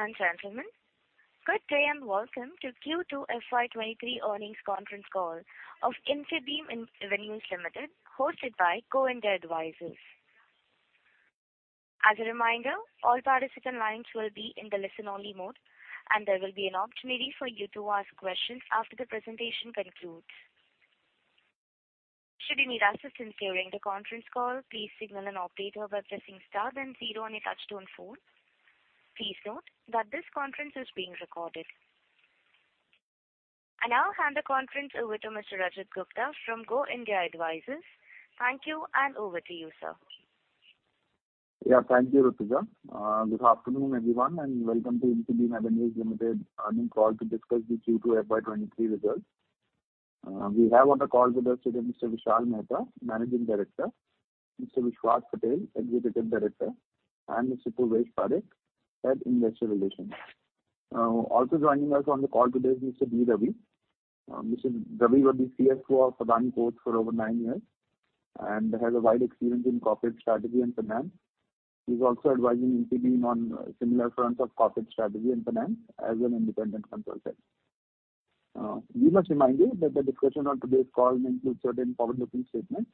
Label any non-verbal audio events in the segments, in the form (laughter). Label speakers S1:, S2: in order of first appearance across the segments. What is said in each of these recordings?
S1: Ladies and gentlemen, good day and welcome to Q2 FY 2023 earnings conference call of Infibeam Avenues Limited, hosted by Go India Advisors. As a reminder, all participant lines will be in the listen-only mode, and there will be an opportunity for you to ask questions after the presentation concludes. Should you need assistance during the conference call, please signal an operator by pressing star then zero on your touchtone phone. Please note that this conference is being recorded. I now hand the conference over to Mr. Rajat Gupta from Go India Advisors. Thank you, and over to you, sir.
S2: Yeah. Thank you, Rutuja. Good afternoon, everyone, and welcome to Infibeam Avenues Limited earnings call to discuss the Q2 FY 2023 results. We have on the call with us today Mr. Vishal Mehta, Managing Director, Mr. Vishwas Patel, Executive Director, and Mr. Purvesh Parekh, Head Investor Relations. Also joining us on the call today is Mr. B. Ravi. Mr. Ravi was the CFO of Sadhana Nitro Chem for over nine years and has a wide experience in corporate strategy and finance. He's also advising Infibeam on similar fronts of corporate strategy and finance as an independent consultant. We must remind you that the discussion on today's call may include certain forward-looking statements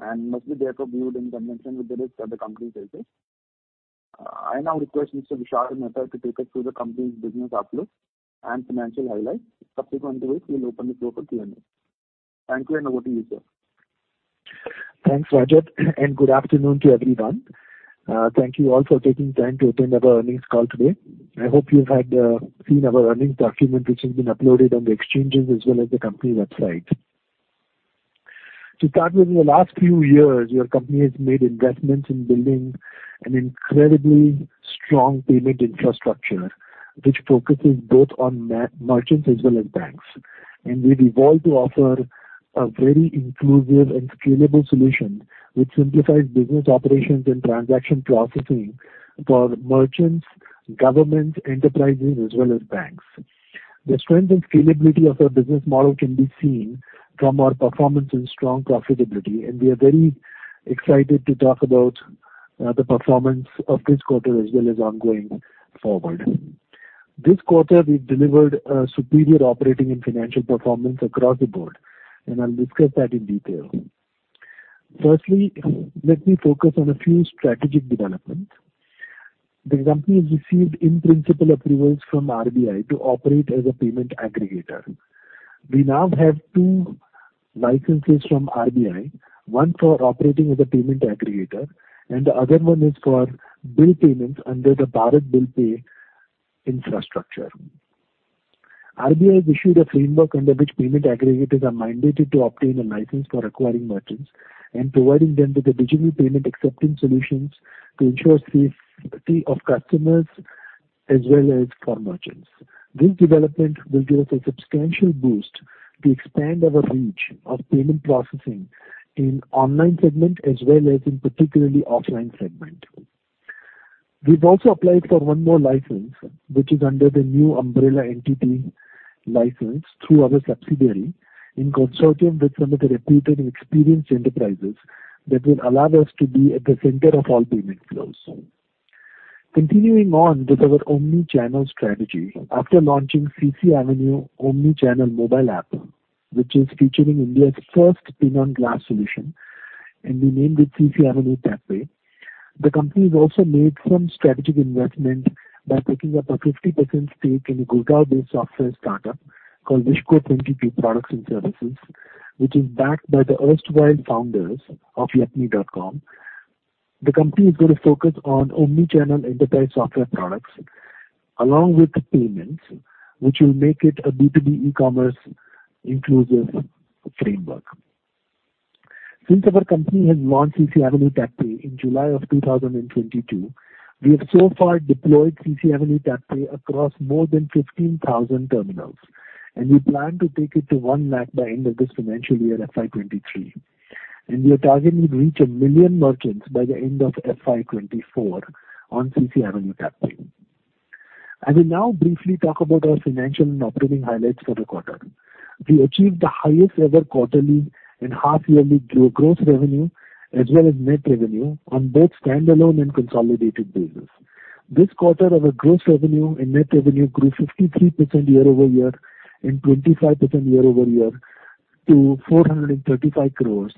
S2: and must be therefore viewed in conjunction with the risks that the company faces. I now request Mr. Vishal Mehta to take us through the company's business outlook and financial highlights. Subsequent to which, we will open the floor for Q&A. Thank you, and over to you, sir.
S3: Thanks, Rajat, and good afternoon to everyone. Thank you all for taking time to attend our earnings call today. I hope you've seen our earnings document, which has been uploaded on the exchanges as well as the company website. To start with, in the last few years, your company has made investments in building an incredibly strong payment infrastructure which focuses both on merchants as well as banks. We've evolved to offer a very inclusive and scalable solution which simplifies business operations and transaction processing for merchants, government enterprises, as well as banks. The strength and scalability of our business model can be seen from our performance and strong profitability, and we are very excited to talk about the performance of this quarter as well as ongoing forward. This quarter we've delivered a superior operating and financial performance across the board, and I'll discuss that in detail. Firstly, let me focus on a few strategic developments. The company has received in-principle approvals from RBI to operate as a payment aggregator. We now have two licenses from RBI, one for operating as a payment aggregator and the other one is for bill payments under the Bharat BillPay infrastructure. RBI has issued a framework under which payment aggregators are mandated to obtain a license for acquiring merchants and providing them with the digital payment acceptance solutions to ensure safety of customers as well as for merchants. This development will give us a substantial boost to expand our reach of payment processing in online segment as well as in particularly offline segment. We've also applied for one more license, which is under the New Umbrella Entity license through our subsidiary in consortium with some of the reputed and experienced enterprises that will allow us to be at the center of all payment flows. Continuing on with our omnichannel strategy, after launching CCAvenue omnichannel mobile app, which is featuring India's first pin-on-glass solution, and we named it CCAvenue TapPay. The company has also made some strategic investment by taking up a 50% stake in a Gujarat-based software startup called Vishko22, which is backed by the erstwhile founders of yepme.com. The company is going to focus on omnichannel enterprise software products along with payments, which will make it a B2B e-commerce inclusive framework. Since our company has launched CCAvenue TapPay in July 2022, we have so far deployed CCAvenue TapPay across more than 15,000 terminals, and we plan to take it to 1 lakh by end of this financial year, FY 2023. We are targeting to reach a million merchants by the end of FY 2024 on CCAvenue TapPay. I will now briefly talk about our financial and operating highlights for the quarter. We achieved the highest ever quarterly and half yearly gross revenue as well as net revenue on both standalone and consolidated basis. This quarter, our gross revenue and net revenue grew 53% year-over-year and 25% year-over-year to 435 crore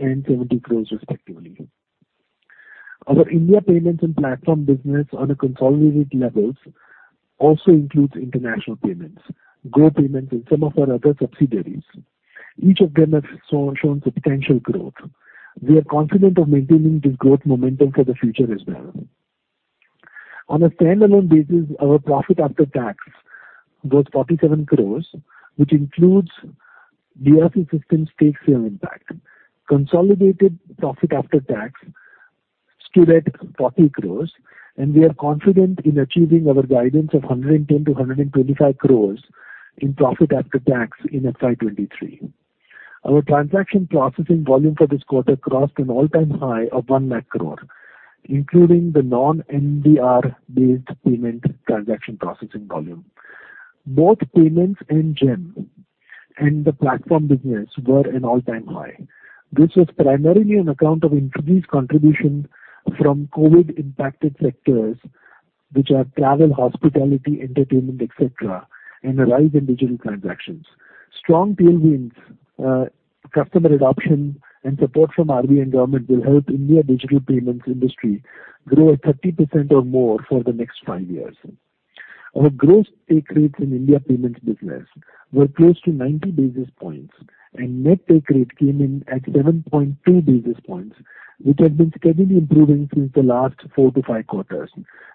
S3: and 70 crore respectively. Our India payments and platform business on a consolidated level also includes international payments, global payments in some of our other subsidiaries. Each of them have shown substantial growth. We are confident of maintaining this growth momentum for the future as well. On a standalone basis, our profit after tax was 47 crore, which includes DRC Systems' stake sale impact. Consolidated profit after tax stood at 40 crore, and we are confident in achieving our guidance of 110 crore-125 crore in profit after tax in FY 2023. Our transaction processing volume for this quarter crossed an all-time high of 1 lakh crore, including the non-NDR-based payment transaction processing volume. Both payments and GeM and the platform business were an all-time high. This was primarily on account of increased contribution from COVID-impacted sectors, which are travel, hospitality, entertainment, et cetera, and a rise in digital transactions. Strong tailwinds, customer adoption and support from RBI environment will help Indian digital payments industry grow at 30% or more for the next five years. Our gross take rates in Indian payments business were close to 90 basis points, and net take rate came in at 7.2 basis points, which have been steadily improving since the last four-five quarters.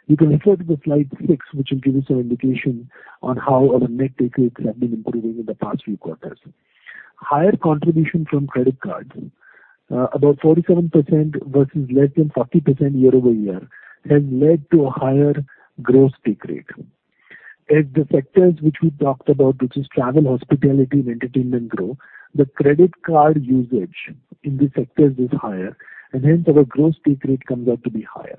S3: You can refer to the slide six, which will give you some indication on how our net take rates have been improving in the past few quarters. Higher contribution from credit cards, about 47% versus less than 40% year-over-year, has led to a higher gross take rate. As the sectors which we talked about, which is travel, hospitality and entertainment grow, the credit card usage in these sectors is higher and hence our gross take rate comes out to be higher.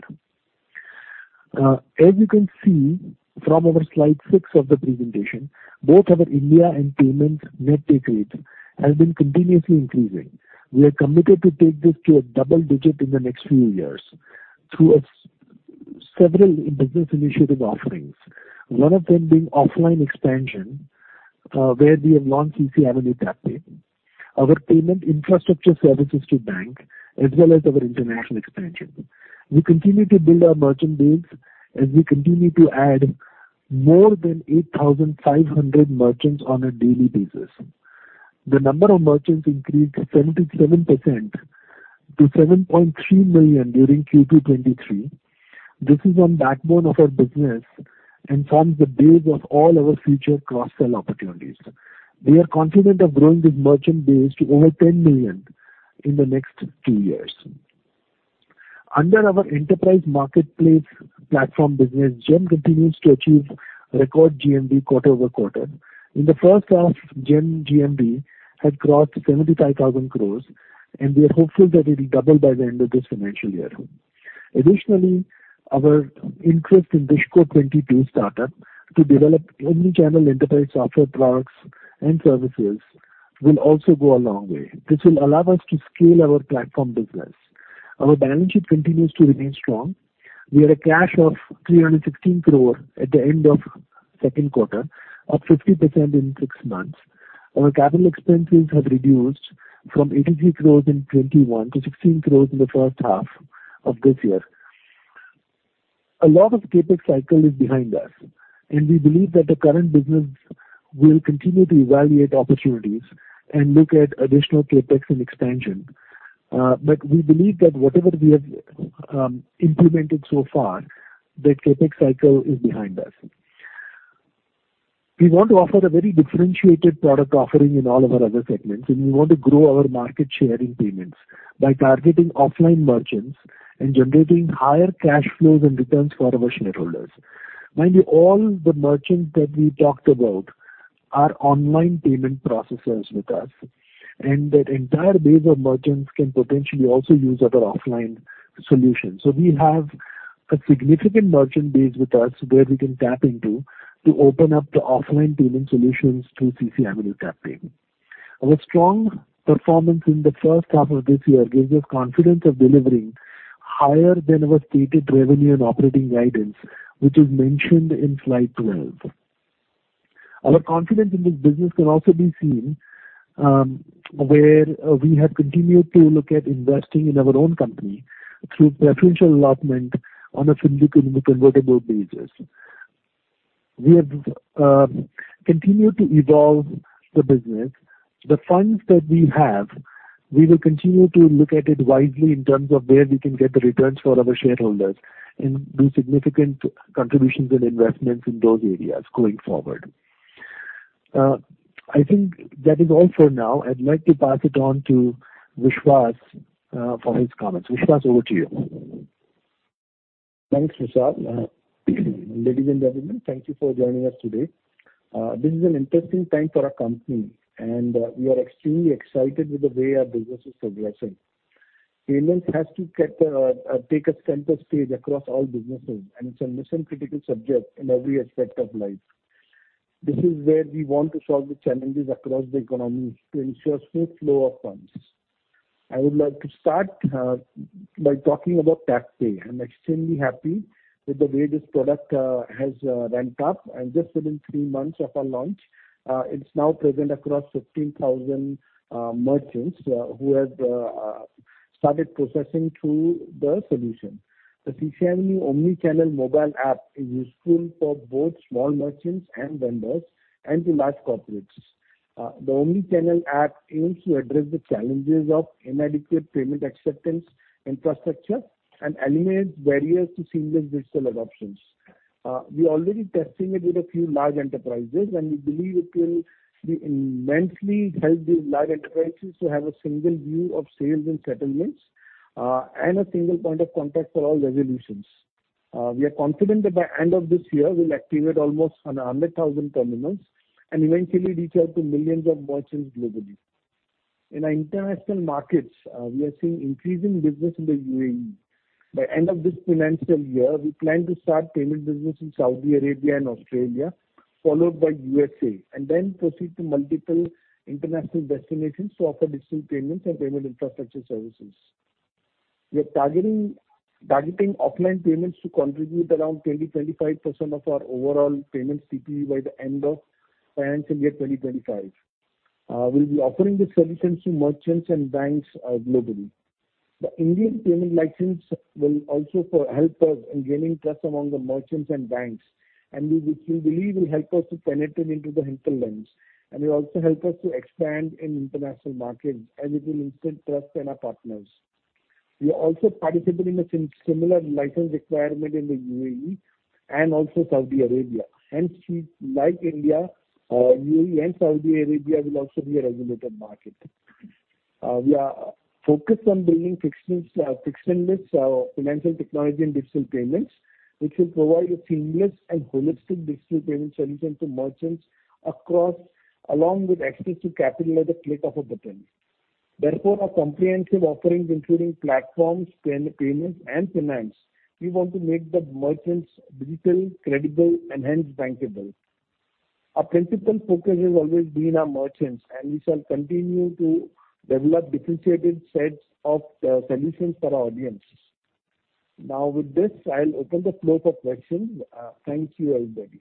S3: As you can see from our slide six of the presentation, both our India and payments net take rates has been continuously increasing. We are committed to take this to a double digit in the next few years through several business initiative offerings. One of them being offline expansion, where we have launched CCAvenue TapPay. Our payment infrastructure services to banks as well as our international expansion. We continue to build our merchant base as we continue to add more than 8,500 merchants on a daily basis. The number of merchants increased 77% to 7.3 million during Q2 2023. This is on backbone of our business and forms the base of all our future cross-sell opportunities. We are confident of growing this merchant base to over 10 million in the next two years. Under our enterprise marketplace platform business, GeM continues to achieve record GMV quarter over quarter. In the first half, GeM GMV has crossed 75,000 crore, and we are hopeful that it will double by the end of this financial year. Additionally, our interest in Vishko22 startup to develop omnichannel enterprise software products and services will also go a long way. This will allow us to scale our platform business. Our balance sheet continues to remain strong. We had a cash of 316 crore at the end of second quarter, up 50% in six months. Our capital expenses have reduced from 83 crore in 2021 to 16 crore in the first half of this year. A lot of CapEx cycle is behind us, and we believe that the current business will continue to evaluate opportunities and look at additional CapEx and expansion. We believe that whatever we have implemented so far, the CapEx cycle is behind us. We want to offer a very differentiated product offering in all of our other segments, and we want to grow our market share in payments by targeting offline merchants and generating higher cash flows and returns for our shareholders. Mind you, all the merchants that we talked about are online payment processors with us, and that entire base of merchants can potentially also use other offline solutions. We have a significant merchant base with us where we can tap into to open up the offline payment solutions to CCAvenue TapPay. Our strong performance in the first half of this year gives us confidence of delivering higher than our stated revenue and operating guidance, which is mentioned in slide 12. Our confidence in this business can also be seen where we have continued to look at investing in our own company through preferential allotment on a fully convertible basis. We have continued to evolve the business. The funds that we have, we will continue to look at it wisely in terms of where we can get the returns for our shareholders and do significant contributions and investments in those areas going forward. I think that is all for now. I'd like to pass it on to Vishwas for his comments.
S4: Vishwas, over to you. Thanks, Vishal Mehta. Ladies and gentlemen, thank you for joining us today. This is an interesting time for our company, and we are extremely excited with the way our business is progressing. Payments has got to take a center stage across all businesses, and it's a mission-critical subject in every aspect of life. This is where we want to solve the challenges across the economy to ensure smooth flow of funds. I would like to start by talking about TapPay. I'm extremely happy with the way this product has ramped up, and just within three months of our launch, it's now present across 15,000 merchants who have started processing through the solution. The CCAvenue omnichannel mobile app is useful for both small merchants and vendors and to large corporates. The omnichannel app aims to address the challenges of inadequate payment acceptance infrastructure and eliminate barriers to seamless digital adoptions. We're already testing it with a few large enterprises, and we believe it will immensely help these large enterprises to have a single view of sales and settlements, and a single point of contact for all resolutions. We are confident that by end of this year we'll activate almost 100,000 terminals and eventually reach out to millions of merchants globally. In our international markets, we are seeing increasing business in the UAE. By end of this financial year, we plan to start payment business in Saudi Arabia and Australia, followed by USA, and then proceed to multiple international destinations to offer digital payments and payment infrastructure services. We are targeting offline payments to contribute around 20%-25% of our overall payments CPE by the end of financial year 2025. We'll be offering these services to merchants and banks globally. The Indian payment license will also help us in gaining trust among the merchants and banks, and we believe will help us to penetrate into the hinterlands, and will also help us to expand in international markets, and it will instill trust in our partners. We are also participating in similar license requirement in the UAE and also Saudi Arabia. Hence, like India, UAE and Saudi Arabia will also be a regulated market. We are focused on building frictionless financial technology and digital payments, which will provide a seamless and holistic digital payment solution to merchants across, along with access to capital at the click of a button. Therefore, our comprehensive offerings, including platforms, payments and finance, we want to make the merchants digital, credible, and hence bankable. Our principal focus has always been our merchants, and we shall continue to develop differentiated sets of solutions for our audience. Now with this, I'll open the floor for questions. Thank you, everybody.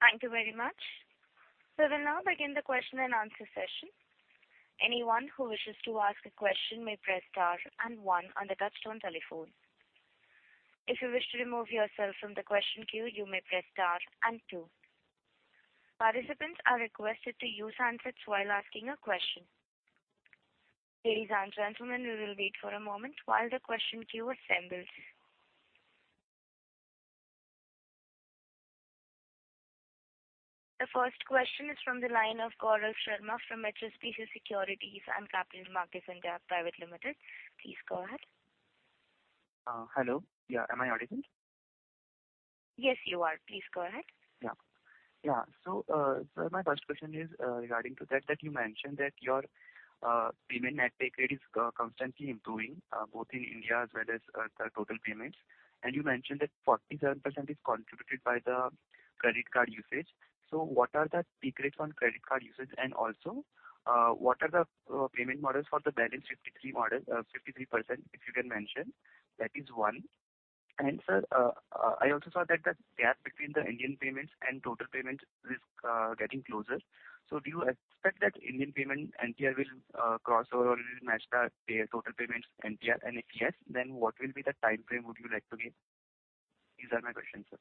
S1: Thank you very much. We'll now begin the question and answer session. Anyone who wishes to ask a question may press star and one on the touchtone telephone. If you wish to remove yourself from the question queue, you may press star and two. Participants are requested to use handsets while asking a question. Ladies and gentlemen, we will wait for a moment while the question queue assembles. The first question is from the line of Gaurav Sharma from HSBC Securities and Capital Markets India Pvt Ltd. Please go ahead.
S5: Hello. Yeah. Am I audible?
S1: Yes, you are. Please go ahead.
S5: Sir, my first question is regarding that you mentioned that your payment net take rate is constantly improving both in India as well as the total payments. You mentioned that 47% is contributed by the credit card usage. What are the take rates on credit card usage? Also, what are the payment models for the balance 53%, if you can mention. That is one. Sir, I also saw that the gap between the Indian payments and total payments is getting closer. Do you expect that Indian payment NTR will cross over or it will match the total payments NTR? If yes, then what will be the timeframe you would like to give? These are my questions, sir.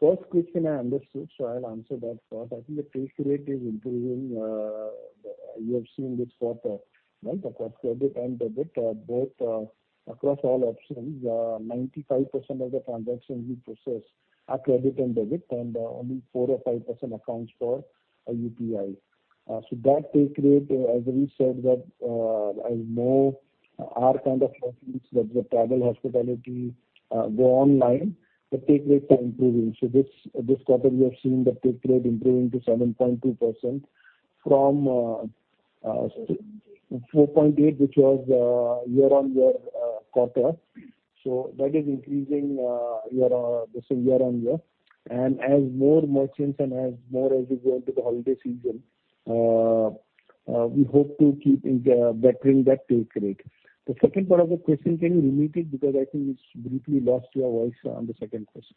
S3: First question I understood, so I'll answer that first. I think the take rate is improving. You have seen this quarter, right? Across credit and debit, both, across all options. 95% of the transactions we process are credit and debit, and only 4% or 5% accounts for UPI. So that take rate, as we said that, as more are kind of customers that the travel hospitality go online, the take rates are improving. This quarter, we have seen the take rate improving to 7.2% from 4.8%, which was year-on-year quarter. That is increasing year on year. As more merchants as we go into the holiday season, we hope to keep bettering that take rate. The second part of the question, can you repeat it? Because I think it's briefly lost your voice on the second question.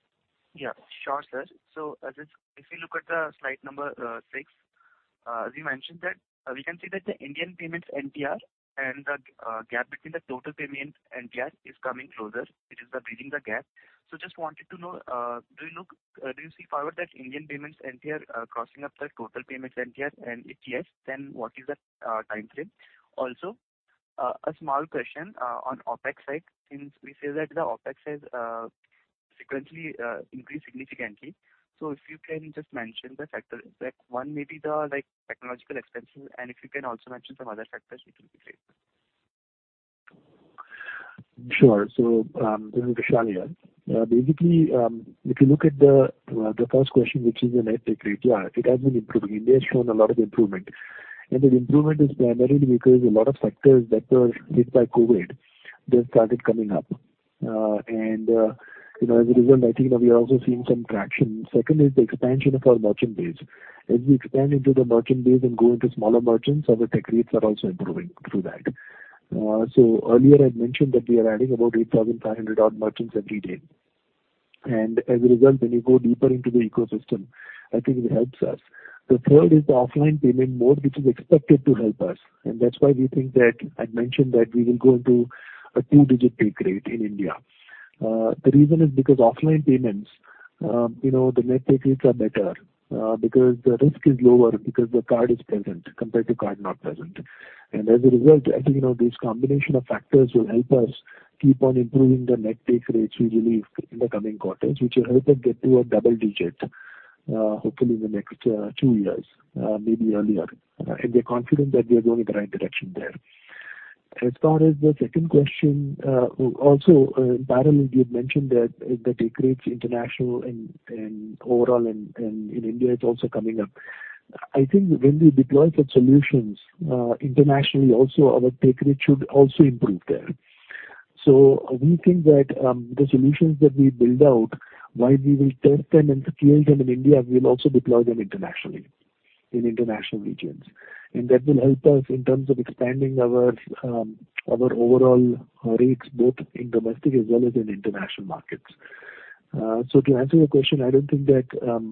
S5: Yeah. Sure, sir. If you look at the slide number six, as you mentioned, we can see that the Indian payments NTR and the gap between the total payments NTR is coming closer. It is bridging the gap. Just wanted to know, do you see going forward that Indian payments NTR crossing up the total payments NTR? And if yes, then what is the timeframe? Also, a small question on OpEx side, since we see that the OpEx has frequently increased significantly. If you can just mention the factors that one may be the, like, technological expenses, and if you can also mention some other factors, it will be great?
S3: Sure. This is Vishal here. Basically, if you look at the first question, which is the net take rate. Yeah, it has been improving. India has shown a lot of improvement. The improvement is primarily because a lot of factors that were hit by COVID, they've started coming up. You know, as a result, I think that we are also seeing some traction. Second is the expansion of our merchant base. As we expand into the merchant base and go into smaller merchants, our take rates are also improving through that. Earlier I had mentioned that we are adding about 8,500 odd merchants every day. As a result, when you go deeper into the ecosystem, I think it helps us. The third is the offline payment mode, which is expected to help us. That's why we think that I'd mentioned that we will go into a two-digit take rate in India. The reason is because offline payments, you know, the net take rates are better, because the risk is lower because the card is present compared to card not present. As a result, I think, you know, these combination of factors will help us keep on improving the net take rates we believe in the coming quarters, which will help us get to a double-digit, hopefully in the next, two years, maybe earlier. We are confident that we are going in the right direction there. As far as the second question, also, (inaudible) you had mentioned that the take rates international and overall and in India, it's also coming up. I think when we deploy such solutions, internationally also our take rate should also improve there. We think that the solutions that we build out, while we will test them and scale them in India, we'll also deploy them internationally, in international regions. That will help us in terms of expanding our overall rates both in domestic as well as in international markets. To answer your question, I don't think that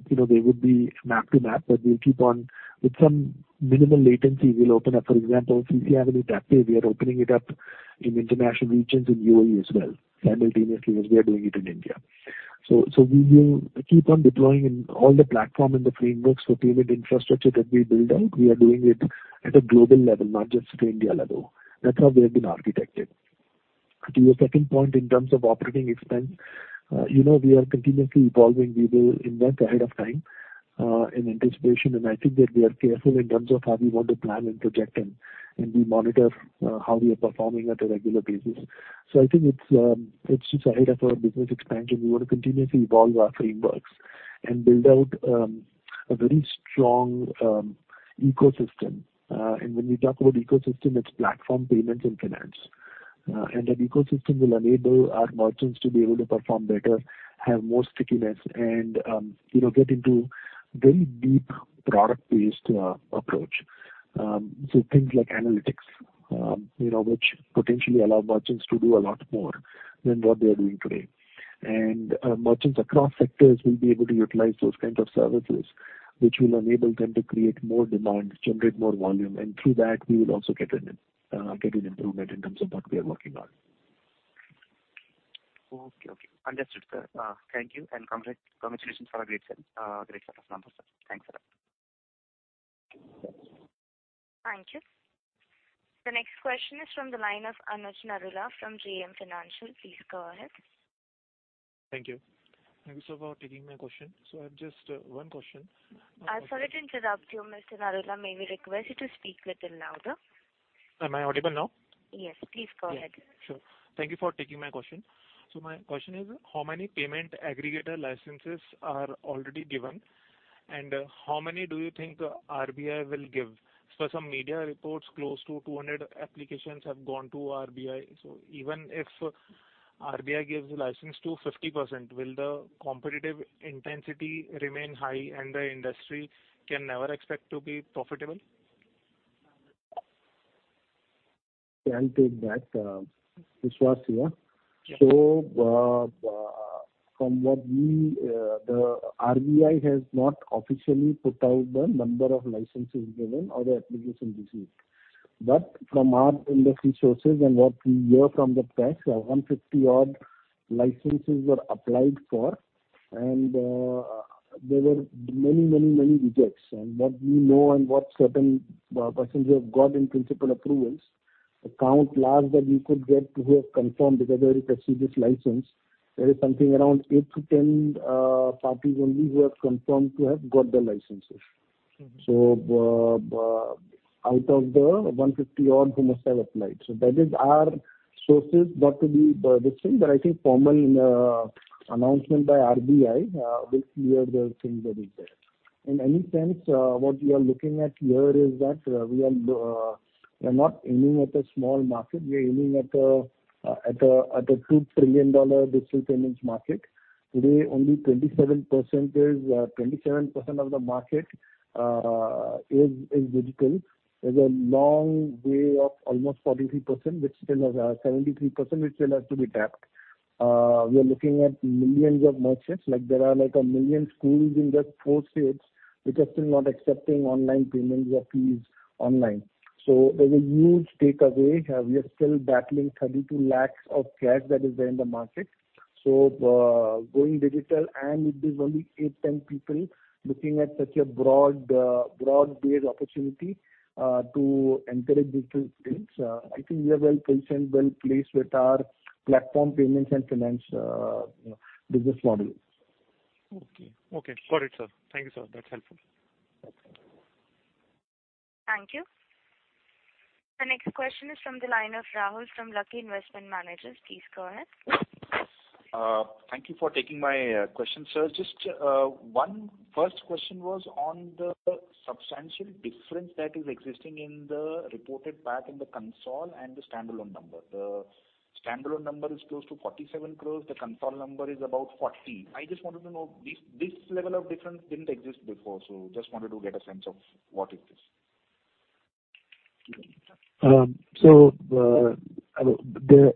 S3: you know they would be map to map, but we'll keep on with some minimal latency, we'll open up. For example, if we have a TapPay, we are opening it up in international regions, in UAE as well simultaneously as we are doing it in India. We will keep on deploying in all the platform and the frameworks for payment infrastructure that we build out. We are doing it at a global level, not just India level. That's how we have been architected. To your second point, in terms of operating expense, you know, we are continuously evolving. We will invest ahead of time in anticipation, and I think that we are careful in terms of how we want to plan and project and we monitor how we are performing at a regular basis. I think it's just ahead of our business expansion. We want to continuously evolve our frameworks and build out a very strong ecosystem. When we talk about ecosystem, it's platform, payments and finance. That ecosystem will enable our merchants to be able to perform better, have more stickiness and you know, get into very deep product-based approach. Things like analytics, you know, which potentially allow merchants to do a lot more than what they are doing today. Merchants across sectors will be able to utilize those kinds of services, which will enable them to create more demand, generate more volume, and through that we will also get an improvement in terms of what we are working on.
S5: Okay. Understood, sir. Thank you and congratulations for a great set of numbers, sir. Thanks a lot.
S1: Thank you. The next question is from the line of Anuj Narula from JM Financial. Please go ahead.
S6: Thank you. Thank you, sir, for taking my question. I have just one question.
S1: I'm sorry to interrupt you, Mr. Narula. May we request you to speak little louder?
S6: Am I audible now?
S1: Yes, please go ahead.
S6: Yeah, sure. Thank you for taking my question. My question is, how many payment aggregator licenses are already given, and how many do you think RBI will give? As per some media reports, close to 200 applications have gone to RBI. Even if RBI gives license to 50%, will the competitive intensity remain high and the industry can never expect to be profitable?
S4: I'll take that. Vishwas here.
S6: Yeah.
S4: From what we, the RBI has not officially put out the number of licenses given or the applications received. From our industry sources and what we hear from the press, 150-odd licenses were applied for and there were many rejects. What we know and what certain persons have got in principle approvals, the count last that we could get who have confirmed whether they received this license, there is something around eight-10 parties only who have confirmed to have got the licenses.
S6: Mm-hmm.
S4: Out of the 150-odd who must have applied. That is our sources. That will be the thing. I think formal announcement by RBI will clear the things that is there. In any sense, what we are looking at here is that we are not aiming at a small market. We are aiming at a $2 trillion digital payments market. Today, only 27% of the market is digital. There's a long way of almost 73% which still has to be tapped. We are looking at millions of merchants. Like, there are like a million schools in just four states which are still not accepting online payments or fees online. There's a huge takeaway. We are still battling 32 lakhs of cash that is there in the market. Going digital and it is only eight-10 people looking at such a broad-based opportunity to encourage digital payments. I think we are well-positioned, well-placed with our platform payments and finance, you know, business model.
S6: Okay. Got it, sir. Thank you, sir. That's helpful.
S3: Okay.
S1: Thank you. The next question is from the line of Rahul from Lucky Investment Managers. Please go ahead.
S7: Thank you for taking my question, sir. Just one first question was on the substantial difference that is existing in the reported PAT in the consolidated and the standalone number. The standalone number is close to 47 crore, the consolidated number is about 40 crore. I just wanted to know this level of difference didn't exist before, so just wanted to get a sense of what it is.
S3: The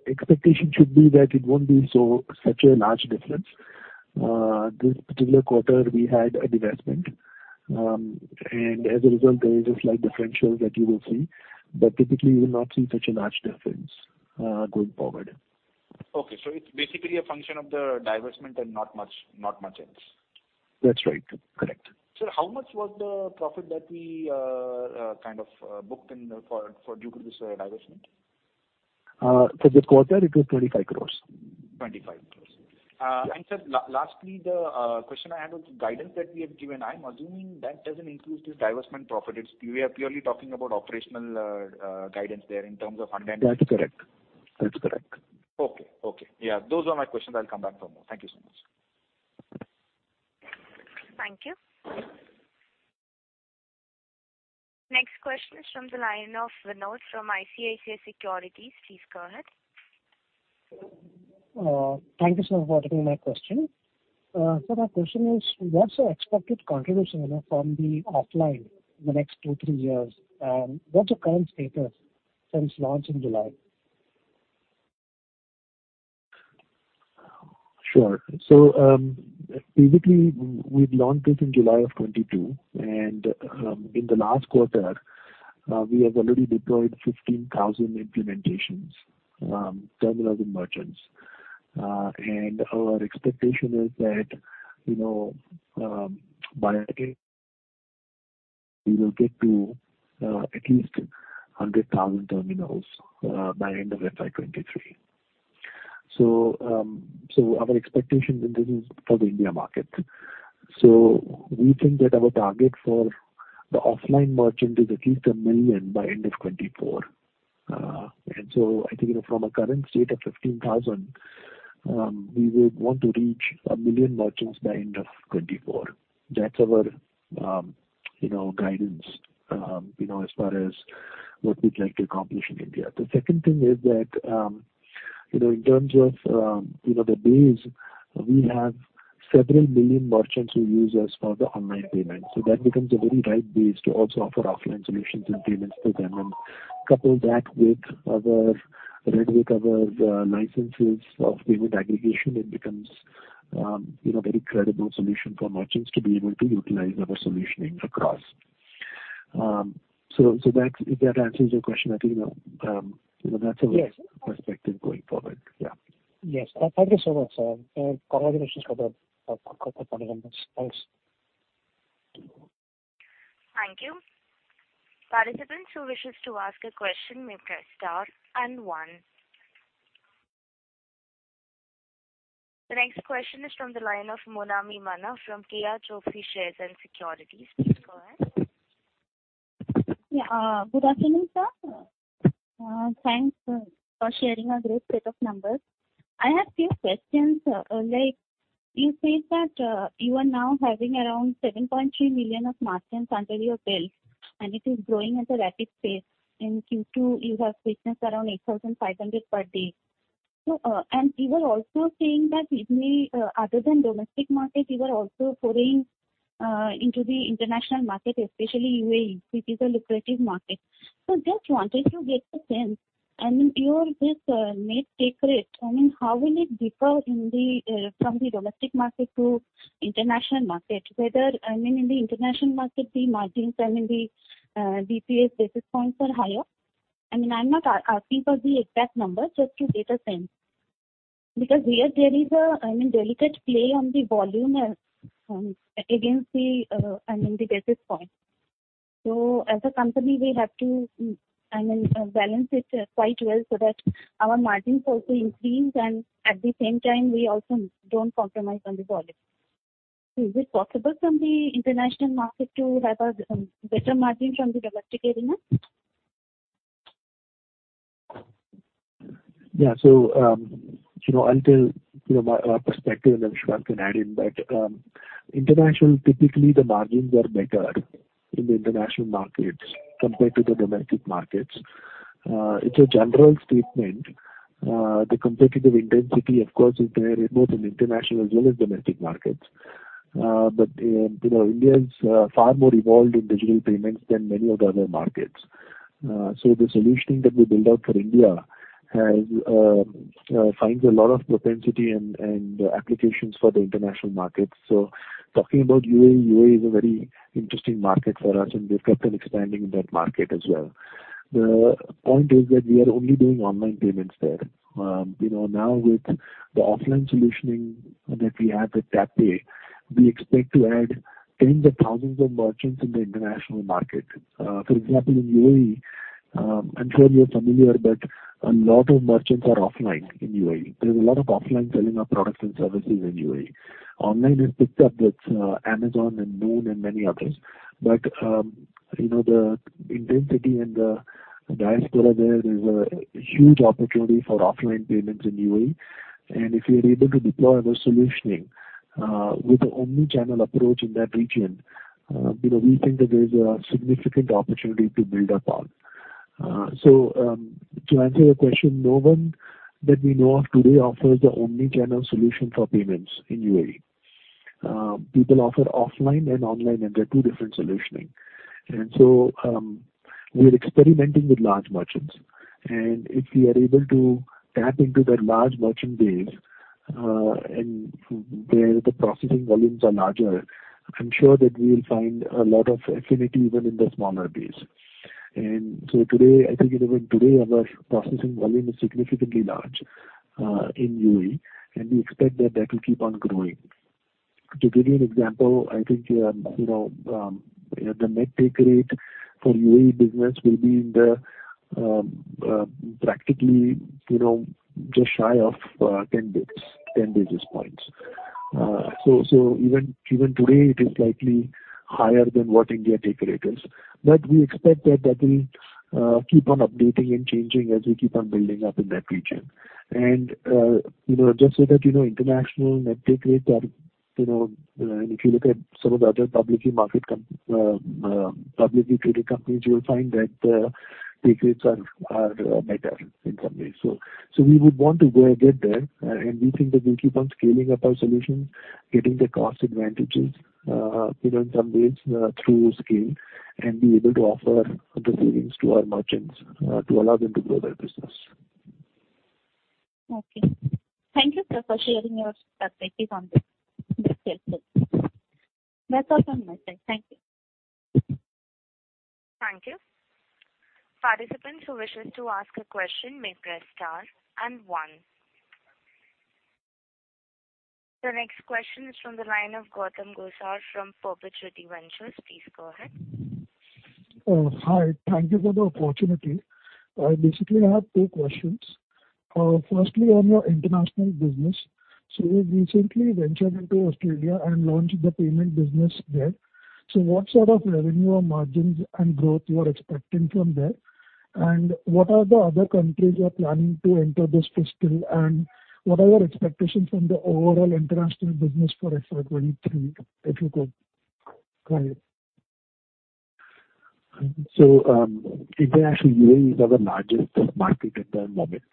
S3: expectation should be that it won't be so such a large difference. This particular quarter we had a divestment, and as a result there is a slight differential that you will see. Typically you will not see such a large difference, going forward.
S7: Okay. It's basically a function of the divestment and not much else.
S3: That's right. Correct.
S7: Sir, how much was the profit that we kind of booked in for due to this divestment?
S3: For this quarter it was 25 crore.
S7: 25 crore. Lastly, the question I had was guidance that we have given. I'm assuming that doesn't include this divestment profit. It's. We are purely talking about operational guidance there in terms of-
S3: That's correct.
S7: Okay. Okay. Yeah, those were my questions. I'll come back for more. Thank you so much.
S1: Thank you. Next question is from the line of Vinod from ICICI Securities. Please go ahead.
S8: Thank you, sir, for taking my question. Sir, my question is, what's the expected contribution, you know, from the offline in the next two, three years? What's the current status since launch in July?
S3: Sure. Basically we've launched it in July of 2022, and in the last quarter, we have already deployed 15,000 implementations, terminals and merchants. Our expectation is that, you know, we will get to at least 100,000 terminals by end of FY 2023. Our expectation, and this is for the India market. We think that our target for the offline merchant is at least a million by end of 2024. I think, you know, from a current state of 15,000, we would want to reach a million merchants by end of 2024. That's our, you know, guidance, you know, as far as what we'd like to accomplish in India. The second thing is that, you know, in terms of, you know, the base, we have several million merchants who use us for the online payments. That becomes a very right base to also offer offline solutions and payments to them. Couple that with our RBI-covered licenses of payment aggregation, it becomes, you know, very credible solution for merchants to be able to utilize our solutioning across. That's. If that answers your question, I think, you know, you know, that's our-
S8: Yes.
S3: perspective going forward. Yeah.
S8: Yes. Thank you so much, sir. Congratulations for couple of numbers. Thanks.
S1: Thank you. Participants who wishes to ask a question may press star and one. The next question is from the line of Monaami Manna from KJMC Shares and Securities. Please go ahead.
S9: Yeah. Good afternoon, sir. Thanks for sharing a great set of numbers. I have few questions. Like you said that you are now having around 7.3 million of merchants under your belt, and it is growing at a rapid pace. In Q2, you have witnessed around 8,500 per day. You were also saying that other than domestic market, you are also foraying into the international market, especially UAE, which is a lucrative market. Just wanted to get a sense. I mean, your net take rate, I mean, how will it differ from the domestic market to international market? Whether, I mean, in the international market, the margins, I mean, the basis points are higher. I mean, I'm not asking for the exact numbers, just to get a sense. Because here there is a I mean delicate play on the volume against the I mean the basis point. As a company, we have to balance it quite well so that our margins also increase and at the same time we also don't compromise on the volume. Is it possible from the international market to have a better margin from the domestic arena?
S3: Yeah. You know, from our perspective, and then Mr. Vishwas Patel can add in. International, typically the margins are better in the international markets compared to the domestic markets. It's a general statement. The competitive intensity, of course, is there, both in international as well as domestic markets. You know, India is far more evolved in digital payments than many of the other markets. The solutioning that we build out for India finds a lot of propensity and applications for the international markets. Talking about UAE is a very interesting market for us, and we've kept on expanding in that market as well. The point is that we are only doing online payments there. You know, now with the offline solutions that we have with TapPay, we expect to add tens of thousands of merchants in the international market. For example, in UAE, I'm sure you're familiar, but a lot of merchants are offline in UAE. There is a lot of offline selling of products and services in UAE. Online has picked up with Amazon and Noon and many others. You know, the intensity and the diaspora there is a huge opportunity for offline payments in UAE. If we are able to deploy our solutions with the omnichannel approach in that region, you know, we think that there is a significant opportunity to build upon. To answer your question, no one that we know of today offers the omnichannel solution for payments in UAE. People offer offline and online, and they're two different solutioning. We're experimenting with large merchants. If we are able to tap into that large merchant base, and where the processing volumes are larger, I'm sure that we will find a lot of affinity even in the smaller base. Today, I think even today our processing volume is significantly large in UAE, and we expect that will keep on growing. To give you an example, I think you know the net take rate for UAE business will be in the practically you know just shy of 10 basis points. So even today, it is slightly higher than what India take rate is. We expect that will keep on updating and changing as we keep on building up in that region. You know, just so that you know, international net take rates are, you know, if you look at some of the other publicly traded companies, you will find that the take rates are better in some ways. We would want to go and get there. We think that we'll keep on scaling up our solutions, getting the cost advantages, you know, in some ways, through scale, and be able to offer the savings to our merchants, to allow them to grow their business.
S9: Okay. Thank you, sir, for sharing your perspective on this. This helps us. That's all from my side. Thank you.
S1: Thank you. Participants who wishes to ask a question may press star and one. The next question is from the line of Gautam Gosar from Perpetuity Ventures. Please go ahead. Associate Investment Analyst
S10: Hi. Thank you for the opportunity. Basically, I have two questions. Firstly, on your international business. You recently ventured into Australia and launched the payment business there. What sort of revenue or margins and growth you are expecting from there? What are the other countries you are planning to enter this fiscal? What are your expectations from the overall international business for FY 2023, if you could?
S3: Internationally, UAE is our largest market at the moment.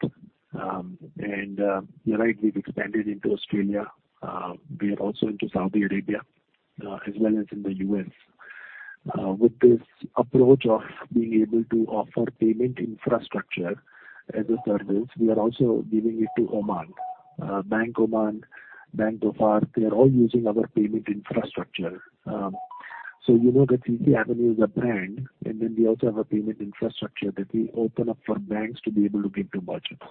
S3: You're right, we've expanded into Australia. We are also into Saudi Arabia, as well as in the U.S. With this approach of being able to offer payment infrastructure as a service, we are also giving it to Oman. Bank Oman, Bank Dhofar, they are all using our payment infrastructure. You know that CCAvenue is a brand, and then we also have a payment infrastructure that we open up for banks to be able to give to merchants.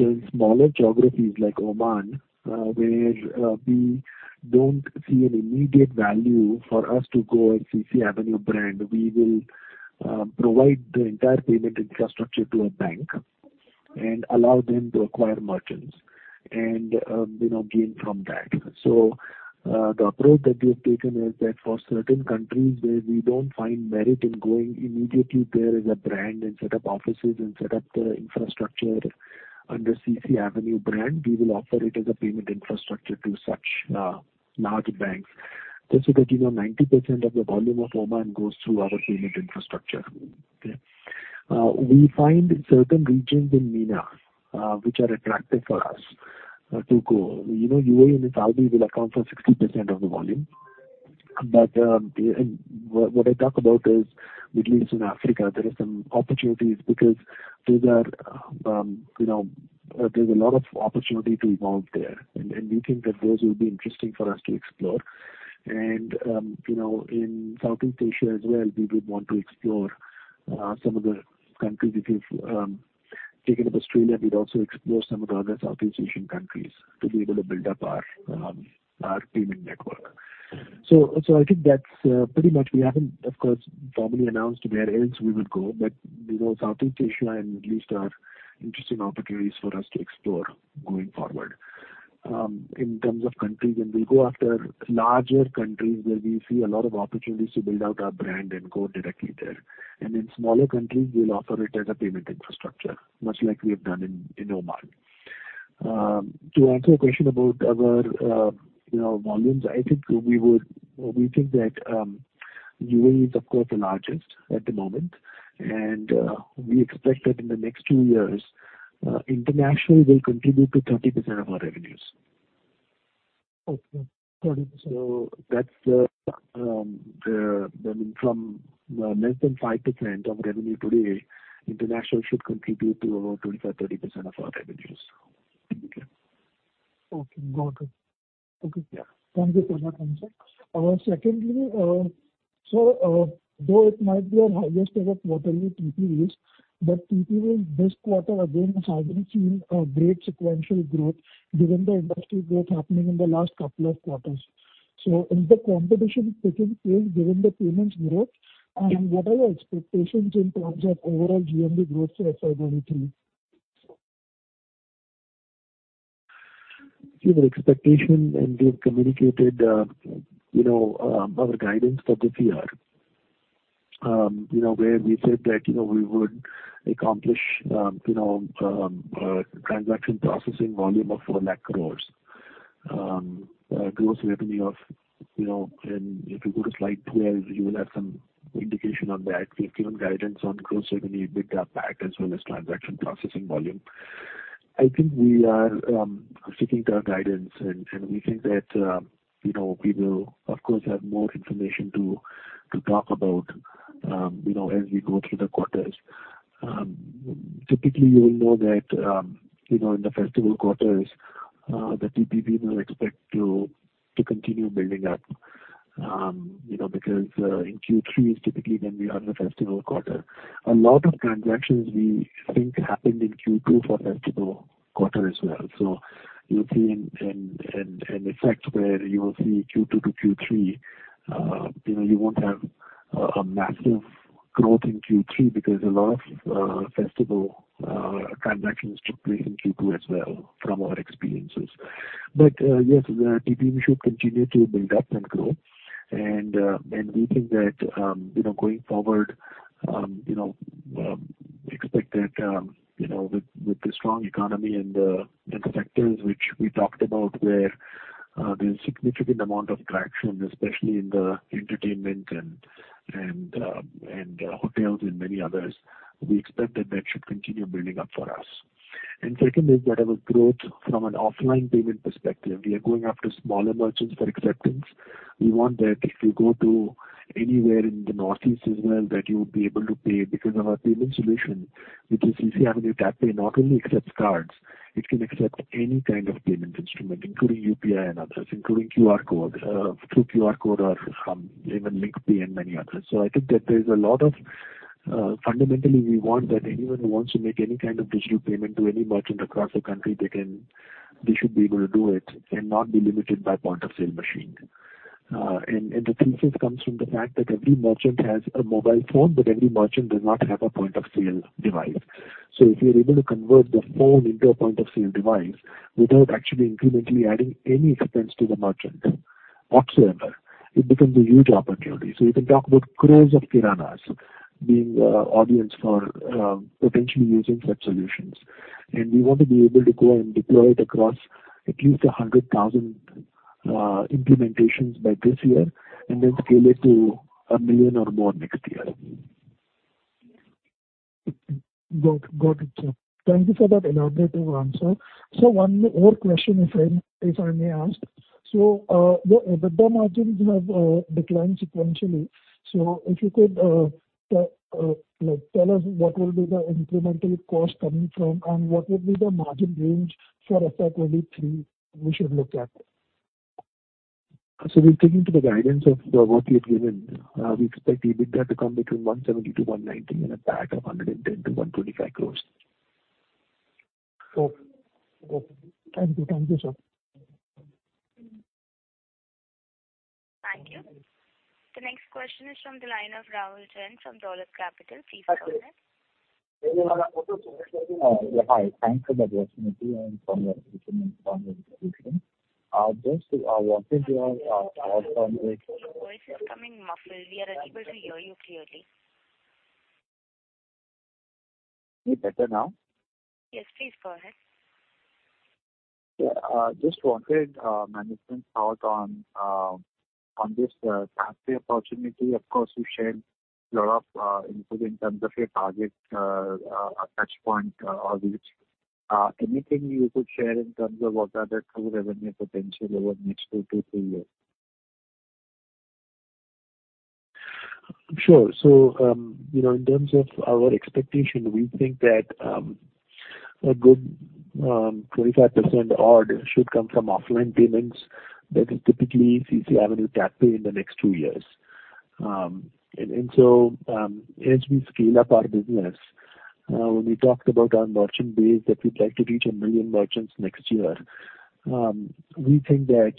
S3: In smaller geographies like Oman, where we don't see an immediate value for us to go as CCAvenue brand, we will provide the entire payment infrastructure to a bank and allow them to acquire merchants and, you know, gain from that. The approach that we have taken is that for certain countries where we don't find merit in going immediately there as a brand and set up offices and set up the infrastructure under CCAvenue brand, we will offer it as a payment infrastructure to such large banks. Just so that you know, 90% of the volume of Oman goes through our payment infrastructure. Okay? We find certain regions in MENA which are attractive for us to go. You know, UAE and Saudi will account for 60% of the volume. But what I talk about is Middle East and Africa. There are some opportunities because those are, you know, there's a lot of opportunity to evolve there. We think that those will be interesting for us to explore. You know, in Southeast Asia as well, we would want to explore some of the countries. If you've taken up Australia, we'd also explore some of the other Southeast Asian countries to be able to build up our payment network. I think that's pretty much. We haven't, of course, formally announced where else we would go, but you know, Southeast Asia and Middle East are interesting opportunities for us to explore going forward. In terms of countries, we'll go after larger countries where we see a lot of opportunities to build out our brand and go directly there. In smaller countries, we'll offer it as a payment infrastructure, much like we have done in Oman. To answer your question about our, you know, volumes, I think we think that UAE is, of course, the largest at the moment. We expect that in the next two years, international will contribute to 30% of our revenues.
S10: Okay.
S3: That's from less than five% of revenue today. International should contribute to around 25%-30% of our revenues.
S10: Okay. Got it. Okay.
S3: Yeah.
S10: Thank you for that answer. Secondly, though it might be your highest ever quarterly TPVs, but TPV this quarter again is having seen a great sequential growth given the industry growth happening in the last couple of quarters. Is the competition taking place given the payments growth? What are your expectations in terms of overall GMV growth for FY 2023?
S3: Set the expectation, we've communicated, you know, our guidance for the fiscal year. You know, where we said that, you know, we would accomplish, you know, transaction processing volume of 400,000 crore. Gross revenue of, you know, and if you go to slide 12, you will have some indication on that. We've given guidance on gross revenue, EBITDA, PAT, as well as transaction processing volume. I think we are sticking to our guidance. We think that, you know, we will of course have more information to talk about, you know, as we go through the quarters. Typically, you will know that, you know, in the festival quarters, the TPV we'll expect to continue building up. You know, because in Q3 is typically when we have the festival quarter. A lot of transactions we think happened in Q2 for festival quarter as well. You'll see in effect where you will see Q2-Q3, you know, you won't have a massive growth in Q3 because a lot of festival transactions took place in Q2 as well from our experiences. Yes, the TPV should continue to build up and grow. We think that, you know, going forward, expect that, you know, with the strong economy and the sectors which we talked about where there's significant amount of traction, especially in the entertainment and hotels and many others, we expect that that should continue building up for us. Second is whatever growth from an offline payment perspective, we are going after smaller merchants for acceptance. We want that if you go to anywhere in the Northeast as well, that you would be able to pay because of our payment solution, which is CCAvenue TapPay not only accepts cards, it can accept any kind of payment instrument, including UPI and others, including QR code through QR code or even LinkPay and many others. I think that there's a lot of. Fundamentally, we want that anyone who wants to make any kind of digital payment to any merchant across the country, they should be able to do it and not be limited by point of sale machine. The thesis comes from the fact that every merchant has a mobile phone, but every merchant does not have a point of sale device. If you're able to convert the phone into a point of sale device without actually incrementally adding any expense to the merchant whatsoever, it becomes a huge opportunity. You can talk about crore of kiranas being audience for potentially using such solutions. We want to be able to go and deploy it across at least 100,000 implementations by this year and then scale it to a million or more next year.
S10: Got it, sir. Thank you for that elaborate answer. One more question, if I may ask. The EBITDA margins have declined sequentially. If you could like tell us what will be the incremental cost coming from, and what will be the margin range for FY 2023 we should look at?
S3: We're sticking to the guidance of what we had given. We expect EBITDA to come between 170-190 and a PAT of 110-125 crore.
S10: Okay. Thank you, sir.
S1: Thank you. The next question is from the line of Rahul Jain from Dolat Capital. Please go ahead.
S11: Hi. Thanks for the opportunity and
S1: Your voice is coming muffled. We are unable to hear you clearly.
S11: Any better now?
S1: Yes, please go ahead.
S11: Yeah. Just wanted management's thought on this TapPay opportunity. Of course, you shared lot of input in terms of your target touchpoint audience. Anything you could share in terms of what are the total revenue potential over next two-three years?
S3: Sure. You know, in terms of our expectation, we think that a good 25% odd should come from offline payments. That is typically CCAvenue TapPay in the next two years. As we scale up our business, when we talked about our merchant base that we'd like to reach a million merchants next year, we think that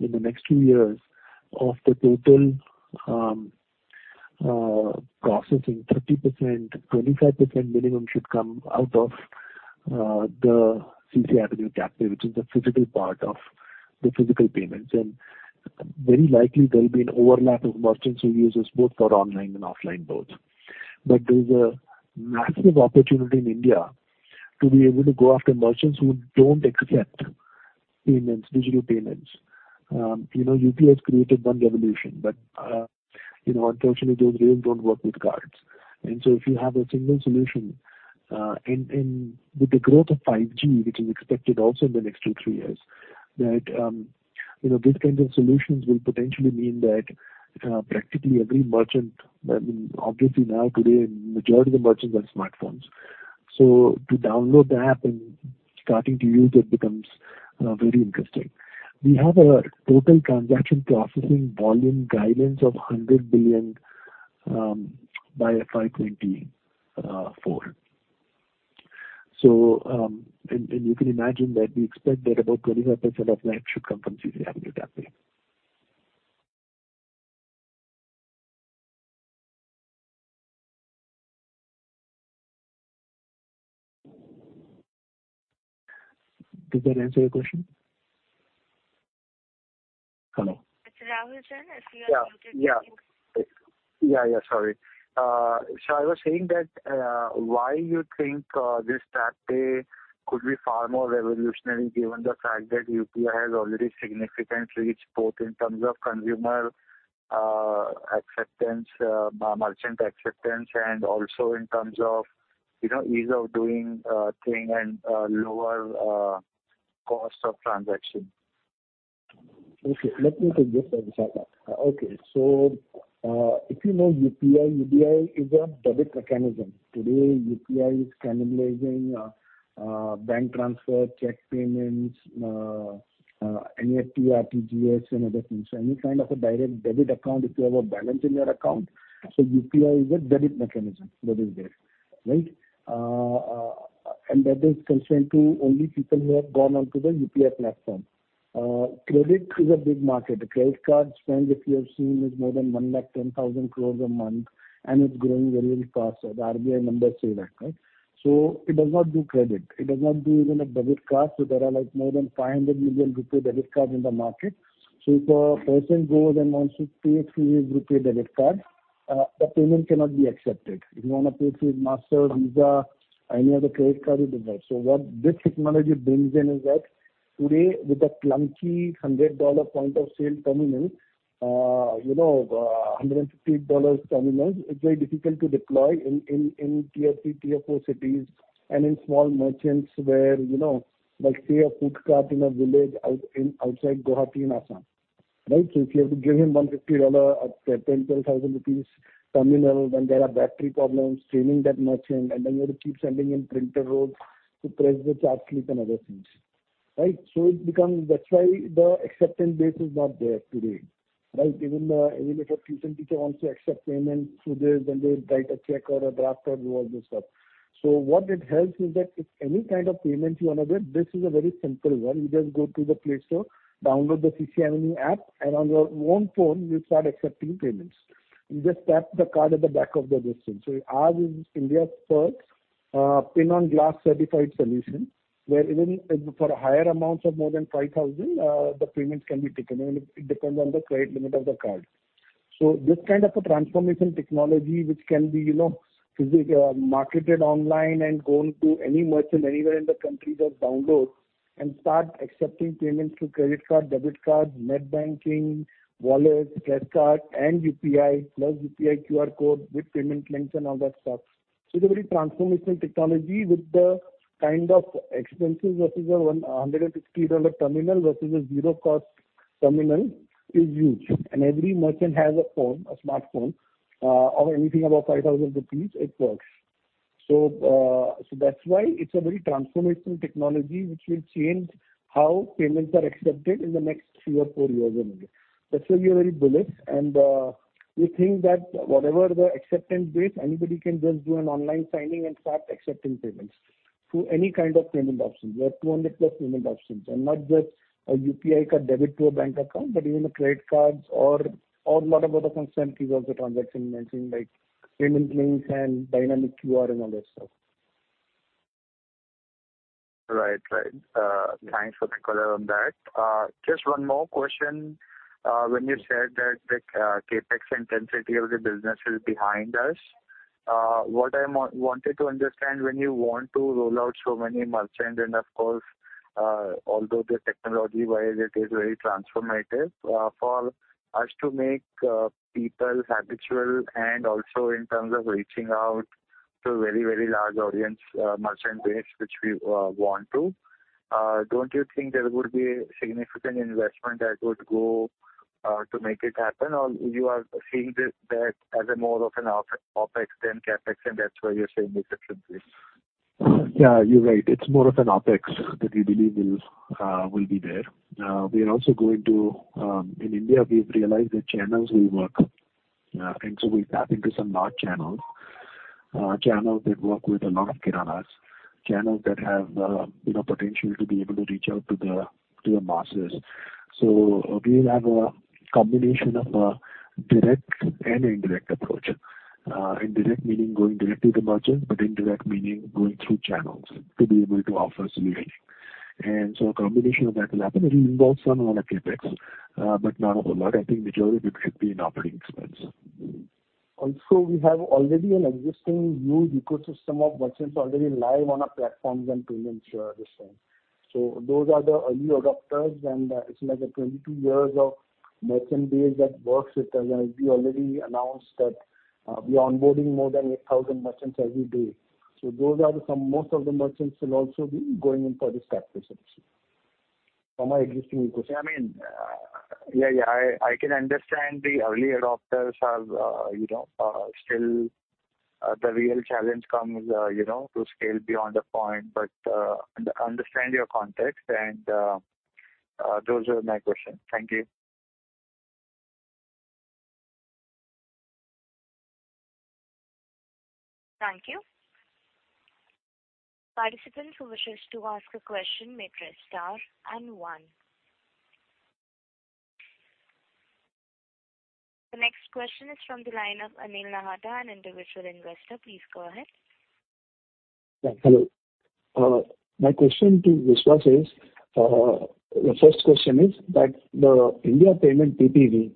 S3: in the next two years of the total processing, 30%, 25% minimum should come out of the CCAvenue TapPay, which is the physical part of the physical payments. Very likely there'll be an overlap of merchants who uses both for online and offline both. There's a massive opportunity in India to be able to go after merchants who don't accept digital payments. You know, UPI has created one revolution, but you know, unfortunately those rails don't work with cards. If you have a single solution, and with the growth of 5G, which is expected also in the next two, three years, that you know, these kinds of solutions will potentially mean that practically every merchant, I mean, obviously now today majority of the merchants have smartphones. To download the app and starting to use it becomes very interesting. We have a total transaction processing volume guidance of $100 billion by FY 2024. You can imagine that we expect that about 25% of that should come from CCAvenue TapPay. Did that answer your question? Hello?
S1: It's Rahul Jain, if you are muted.
S11: Sorry. I was saying that why you think this TapPay could be far more revolutionary given the fact that UPI has already significant reach both in terms of consumer acceptance, merchant acceptance, and also in terms of, you know, ease of doing thing and lower cost of transaction.
S3: Let me take this as a follow-up. If you know UPI is a debit mechanism. Today, UPI is cannibalizing bank transfer, check payments, NEFT, RTGS and other things. Any kind of a direct debit account, if you have a balance in your account. UPI is a debit mechanism that is there, right? And that is confined to only people who have gone onto the UPI platform. Credit is a big market. The credit card spend, if you have seen, is more than 110,000 crore a month, and it's growing very, very fast. The RBI numbers say that, right? It does not do credit. It does not do even a debit card. There are, like, more than 500 million RuPay debit cards in the market. If a person goes and wants to pay through his RuPay debit card, the payment cannot be accepted. If you want to pay through his Mastercard, Visa, any other credit card, it is there. What this technology brings in is that today, with a clunky $100 point of sale terminal, you know, $150 terminals, it is very difficult to deploy in tier three, tier four cities and in small merchants where, you know, like, say, a food cart in a village outside Guwahati in Assam, right? If you have to give him $150 or 10,000 rupees terminal, then there are battery problems, training that merchant, and then you have to keep sending him printer rolls to press the charge slip and other things, right? It becomes That's why the acceptance base is not there today, right? Even if a person, he can also accept payment through this, then they'll write a check or a draft or all this stuff. What it helps is that if any kind of payment you want to get, this is a very simple one. You just go to the Play Store, download the CCAvenue app, and on your own phone you start accepting payments. You just tap the card at the back of the device thing. Ours is India's first, pin-on-glass certified solution, where even, for higher amounts of more than 5,000, the payments can be taken, and it depends on the credit limit of the card. This kind of a transformation technology which can be, you know, marketed online and go into any merchant anywhere in the country, just download and start accepting payments through credit card, debit card, net banking, wallets, cash card and UPI, plus UPI QR code with payment links and all that stuff. It's a very transformational technology with the kind of expenses versus a $150 terminal versus a zero cost terminal is huge. Every merchant has a phone, a smartphone, of anything above 5,000 rupees, it works. That's why it's a very transformational technology which will change how payments are accepted in the next three or four years anyway. That's why we are very bullish. We think that whatever the acceptance base, anybody can just do an online signing and start accepting payments through any kind of payment options. We have 200+ payment options, and not just a UPI card debit to a bank account, but even a credit cards or a lot of other consent keys of the transaction I mentioned, like payment links and dynamic QR and all that stuff.
S11: Right. Thanks for the color on that. Just one more question. When you said that the CapEx intensity of the business is behind us, what I wanted to understand, when you want to roll out so many merchants and of course, although the technology-wise it is very transformative, for us to make people habitual and also in terms of reaching out to a very, very large audience, merchant base, which we want to, don't you think there would be significant investment that would go to make it happen? Or you are seeing that as more of an OpEx than CapEx, and that's why you're saying the acceptance base?
S3: Yeah, you're right. It's more of an OpEx that we believe will be there. In India, we've realized the channels we work. We tap into some large channels. Channels that work with a lot of kiranas. Channels that have, you know, potential to be able to reach out to the masses. We'll have a combination of direct and indirect approach. Direct meaning going direct to the merchant, but indirect meaning going through channels to be able to offer solution. A combination of that will happen. It will involve some amount of CapEx, but not a whole lot. I think majority would have been operating expense. We have already an existing huge ecosystem of merchants already live on our platforms and payments this time. Those are the early adopters and it's like a 22 years of merchant base that works with us. We already announced that we are onboarding more than 8,000 merchants every day. Those are the most of the merchants will also be going in for this Tap to Send solution from our existing ecosystem.
S11: I mean, yeah, I can understand the early adopters have, you know, still the real challenge comes, you know, to scale beyond a point. Understand your context and those were my questions. Thank you.
S1: Thank you. Participant who wishes to ask a question may press star and one. The next question is from the line of Anil Nahata, an individual investor. Please go ahead.
S12: Yeah, hello. My question to Vishwas is, the first question is that the India payment TPV,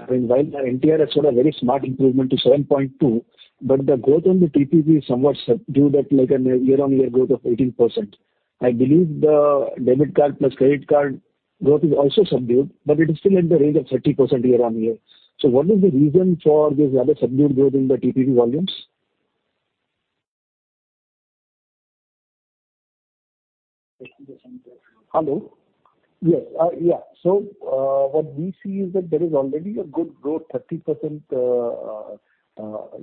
S12: I mean, while the NTR has showed a very smart improvement to %7.2, but the growth on the TPV is somewhat subdued at, like, a year-on-year growth of 18%. I believe the debit card plus credit card growth is also subdued, but it is still in the range of 30% year-on-year. What is the reason for this rather subdued growth in the TPV volumes?
S4: Hello. Yes. What we see is that there is already a good growth, 30%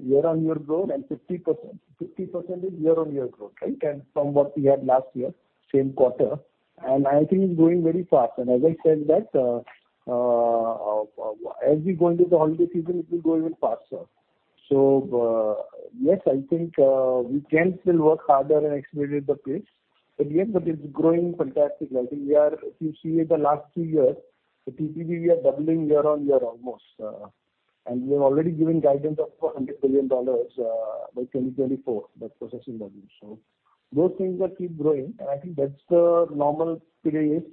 S4: year-on-year growth and 50%. 50% is year-on-year growth, right? From what we had last year, same quarter. I think it's growing very fast. As I said that, as we go into the holiday season, it will grow even faster. Yes, I think, we can still work harder and accelerate the pace. Yes, it's growing fantastic. I think we are. If you see the last two years, the TPV, we are doubling year-on-year almost. We've already given guidance of $100 billion by 2024, the processing value. Those things keep growing, and I think that's the normal period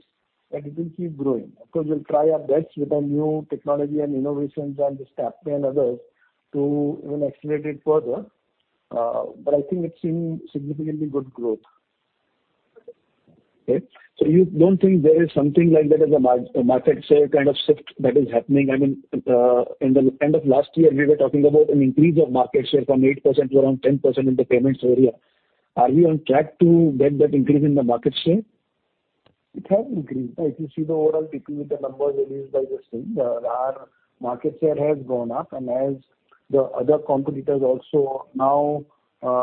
S4: that it will keep growing. Of course, we'll try our best with our new technology and innovations and this TapPay and others to even accelerate it further. I think it's seeing significantly good growth.
S12: Okay. You don't think there is something like that as a market share kind of shift that is happening? I mean, in the end of last year, we were talking about an increase of market share from 8% to around 10% in the payments area. Are we on track to get that increase in the market share?
S4: It has increased. If you see the overall TPV, the numbers released by the team, our market share has gone up. As the other competitors also now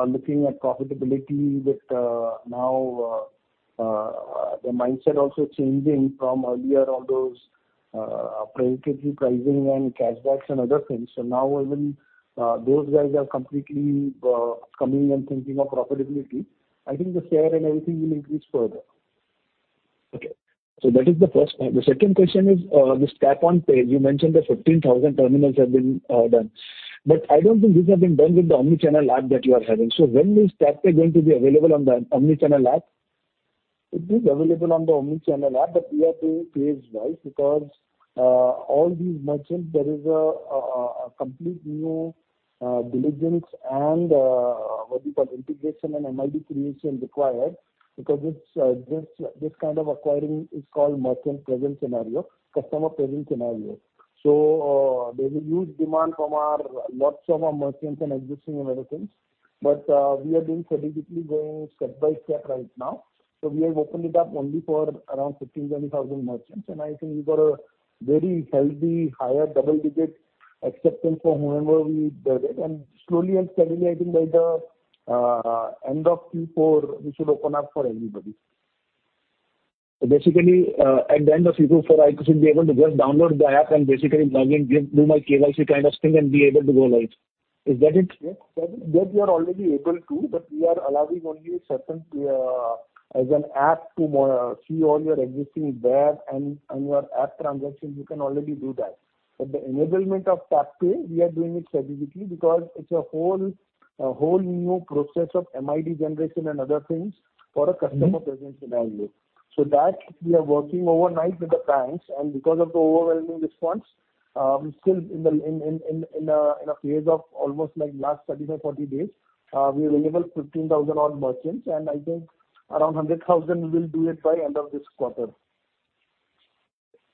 S4: looking at profitability with now their mindset also changing from earlier, all those predatory pricing and cashbacks and other things. Now even those guys are completely coming and thinking of profitability. I think the share and everything will increase further.
S12: Okay. That is the first point. The second question is, this TapPay. You mentioned that 15,000 terminals have been done. But I don't think these have been done with the omnichannel app that you are having. When is TapPay going to be available on the omnichannel app?
S4: It is available on the omnichannel app, but we are phase wise because all these merchants, there is a complete new diligence and integration and MID creation required because it's this kind of acquiring is called merchant present scenario, customer present scenario. There's a huge demand from lots of our merchants and existing merchants. We are being strategically going step-by-step right now. We have opened it up only for around 15-20 thousand merchants, and I think we've got a very healthy higher double digit acceptance for whomever we did it. Slowly and steadily, I think by the end of Q4, we should open up for everybody.
S12: Basically, at the end of Q4, I should be able to just download the app and basically login, do my KYC kind of thing and be able to go live. Is that it?
S4: Yes. That you are already able to, but we are allowing only a certain app to see all your existing dashboard and your app transactions. You can already do that. The enablement of TapPay, we are doing it strategically because it's a whole new process of MID generation and other things for a customer presence value.
S12: Mm-hmm.
S4: that we are working overnight with the banks and because of the overwhelming response, still in a phase of almost like last 30-40 days, we enabled 15,000 odd merchants and I think around 100,000 we will do it by end of this quarter.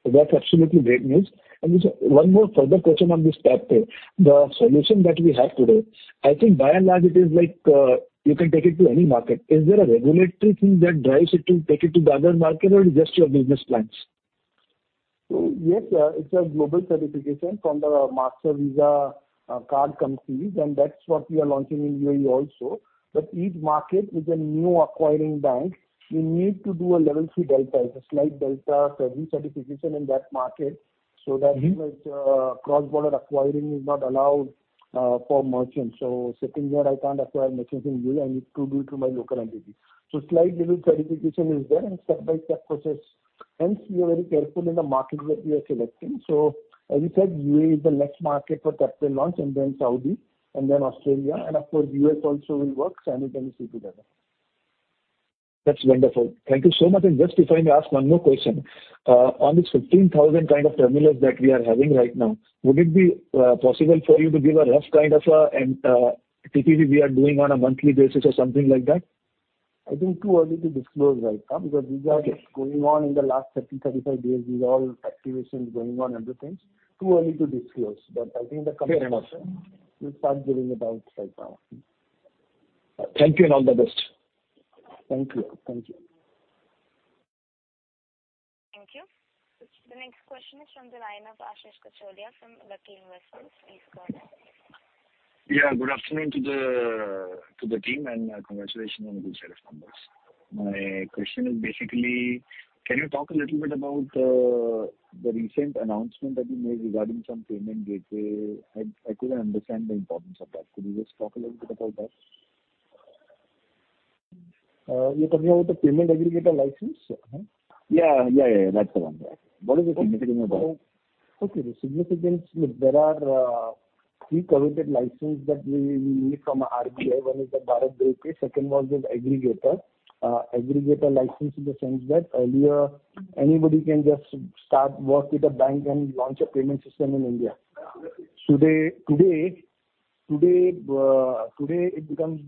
S12: That's absolutely great news. Just one more further question on this TapPay. The solution that we have today, I think by and large it is like, you can take it to any market. Is there a regulatory thing that drives it to take it to the other market or it is just your business plans?
S4: Yes, it's a global certification from the Mastercard, Visa, card companies, and that's what we are launching in UAE also. Each market with a new acquiring bank, we need to do a level three data. It's a slight data certification in that market so that.
S12: Mm-hmm.
S4: Cross-border acquiring is not allowed for merchants. Sitting here, I can't acquire merchants in U.S. I need to do it through my local entity. Slight little certification is there and step-by-step process. Hence, we are very careful in the markets that we are selecting. As you said, UAE is the next market for TapPay launch and then Saudi and then Australia and of course U.S. also will work simultaneously together.
S12: That's wonderful. Thank you so much. Just if I may ask one more question. On this 15,000 kind of terminals that we are having right now, would it be possible for you to give a rough kind of TPV we are doing on a monthly basis or something like that?
S4: I think it's too early to disclose right now because these are.
S12: Okay.
S4: going on in the last 30-35 days. These are all activations going on, other things. Too early to disclose, but I think the coming quarter-
S12: Fair enough.
S4: We'll start giving it out right now.
S12: Thank you and all the best.
S4: Thank you. Thank you.
S1: Thank you. The next question is from the line of Ashish Kacholia from Lucky Investment Managers. Please go ahead.
S13: Yeah, good afternoon to the team and, congratulations on the good set of numbers. My question is basically, can you talk a little bit about the recent announcement that you made regarding some payment gateway? I couldn't understand the importance of that. Could you just talk a little bit about that?
S3: You're talking about the payment aggregator license?
S13: Yeah, that's the one. What is the significance about it?
S3: The significance. Look, there are three permitted license that we need from RBI. One is the Bharat BillPay, second one is aggregator. Aggregator license in the sense that earlier anybody can just start work with a bank and launch a payment system in India. Today it becomes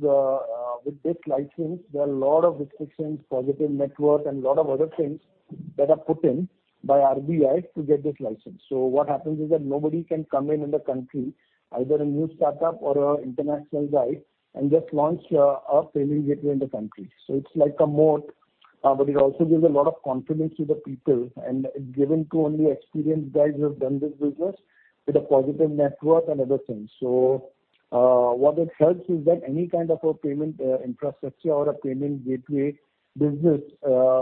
S3: with this license, there are a lot of restrictions, positive network and lot of other things that are put in by RBI to get this license. What happens is that nobody can come in the country, either a new startup or a international guy, and just launch a payment gateway in the country. It's like a moat, but it also gives a lot of confidence to the people and it's given to only experienced guys who have done this business with a positive network and other things. What it helps is that any kind of a payment infrastructure or a payment gateway business